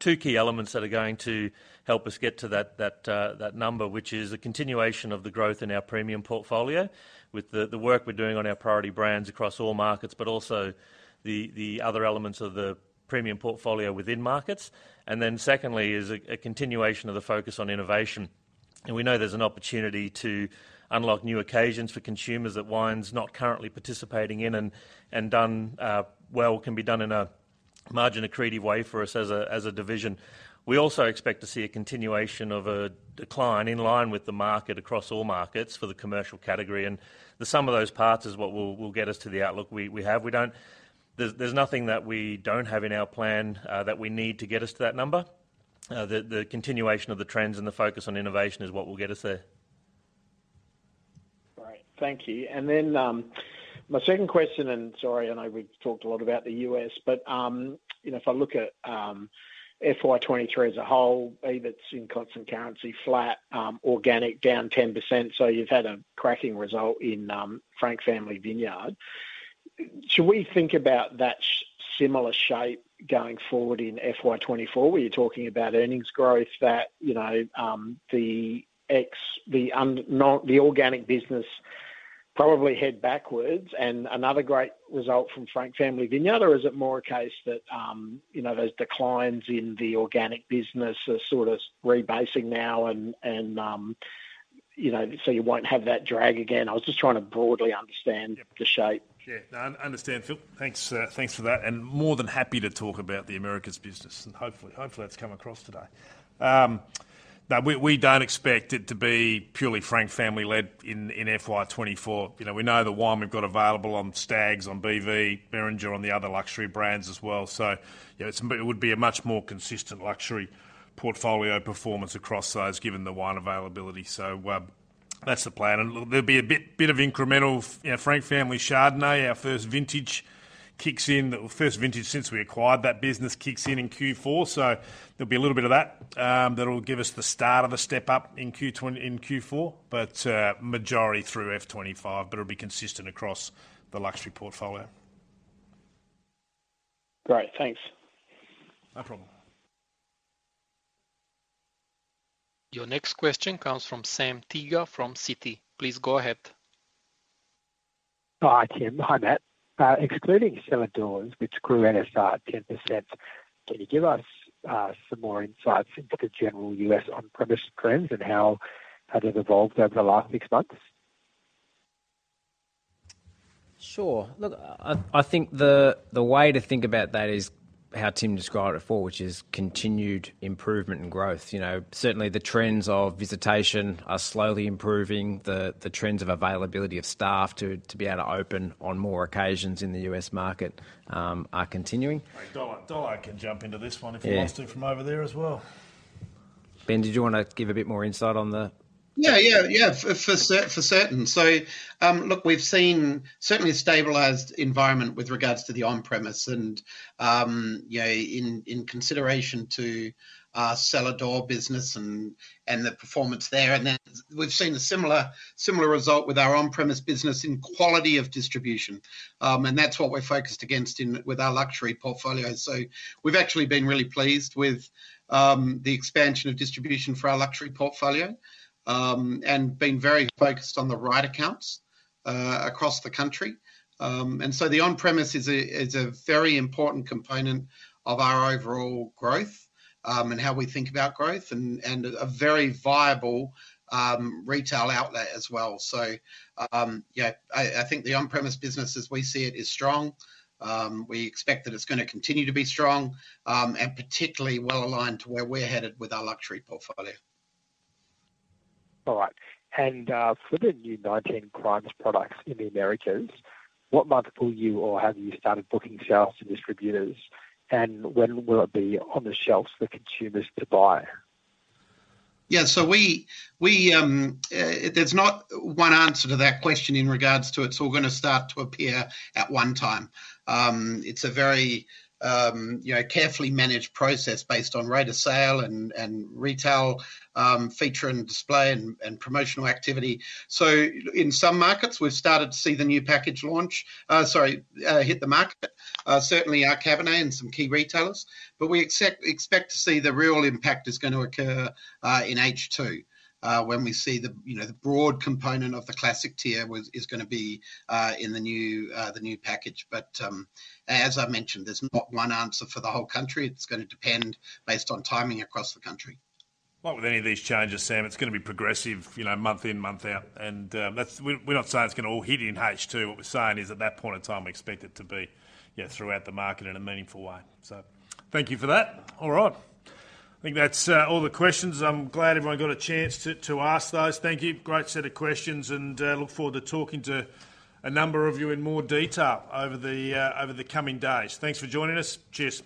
two key elements that are going to help us get to that, that number, which is a continuation of the growth in our premium portfolio with the, the work we're doing on our priority brands across all markets, but also the, the other elements of the premium portfolio within markets. Then secondly, is a, a continuation of the focus on innovation. We know there's an opportunity to unlock new occasions for consumers that wine's not currently participating in, and, and done well, can be done in a margin-accretive way for us as a, as a division. We also expect to see a continuation of a decline in line with the market, across all markets for the commercial category, and the sum of those parts is what will, will get us to the outlook we, we have. There's, there's nothing that we don't have in our plan, that we need to get us to that number. The, the continuation of the trends and the focus on innovation is what will get us there. Great. Thank you. My second question, and sorry, I know we've talked a lot about the U.S., but, you know, if I look at FY 2023 as a whole, EBIT in constant currency, flat, organic, down 10%. You've had a cracking result in Frank Family Vineyards. Should we think about that similar shape going forward in FY 2024, where you're talking about earnings growth that, you know, the organic business probably head backwards and another great result from Frank Family Vineyards? Is it more a case that, you know, those declines in the organic business are sort of rebasing now and, and, you know, so you won't have that drag again? I was just trying to broadly understand the shape. Yeah. No, I understand, Phil. Thanks, thanks for that, and more than happy to talk about the Americas business, and hopefully, hopefully, that's come across today. No, we, we don't expect it to be purely Frank Family led in, in FY 2024. You know, we know the wine we've got available on Stags, on BV, Beringer, on the other luxury brands as well. Yeah, it's, it would be a much more consistent luxury portfolio performance across those, given the wine availability. That's the plan. There'll be a bit, bit of incremental, you know, Frank Family Chardonnay, our first vintage kicks in. The first vintage since we acquired that business kicks in, in Q4, so there'll be a little bit of that. That'll give us the start of a step up in Q4, but majority through F 2025, but it'll be consistent across the luxury portfolio. Great, thanks. No problem. Your next question comes from Sam Teeger, from Citi. Please go ahead. Hi, Tim. Hi, Matt. Excluding Cellar Doors, which grew NSR 10%, can you give us, some more insights into the general U.S. on-premise trends and how, how they've evolved over the last six months? Sure. Look, I, I think the, the way to think about that is how Tim described it before, which is continued improvement and growth. You know, certainly the trends of visitation are slowly improving, the, the trends of availability of staff to, to be able to open on more occasions in the U.S. market, are continuing. Hey, Dollard, Dollard can jump into this one. Yeah If he wants to, from over there as well. Ben, did you want to give a bit more insight on the-? Yeah, yeah, yeah, for certain. Look, we've seen certainly a stabilized environment with regards to the on-premise and, yeah, in, in consideration to our Cellar Door business and, and the performance there. We've seen a similar, similar result with our on-premise business in quality of distribution. That's what we're focused against in, with our luxury portfolio. We've actually been really pleased with the expansion of distribution for our luxury portfolio and been very focused on the right accounts across the country. The on-premise is a, is a very important component of our overall growth and how we think about growth and, and a very viable retail outlet as well. Yeah, I, I think the on-premise business as we see it, is strong. We expect that it's going to continue to be strong, and particularly well aligned to where we're headed with our luxury portfolio. All right. For the new 19 Crimes products in the Americas, what month will you or have you started booking sales to distributors, and when will it be on the shelves for consumers to buy? Yeah. We, we, there's not one answer to that question in regards to it's all going to start to appear at one time. It's a very, you know, carefully managed process based on rate of sale and, and retail, feature and display, and, and promotional activity. In some markets, we've started to see the new package launch, hit the market. Certainly our Cabernet and some key retailers, we expect to see the real impact is going to occur in H2, when we see the, you know, the broad component of the classic tier is going to be in the new, the new package. As I mentioned, there's not one answer for the whole country. It's going to depend based on timing across the country. Well, with any of these changes, Sam, it's going to be progressive, you know, month in, month out. That's, we're, we're not saying it's going to all hit in H2. What we're saying is, at that point in time, we expect it to be, yeah, throughout the market in a meaningful way. Thank you for that. All right. I think that's all the questions. I'm glad everyone got a chance to, to ask those. Thank you. Great set of questions, look forward to talking to a number of you in more detail over the over the coming days. Thanks for joining us. Cheers.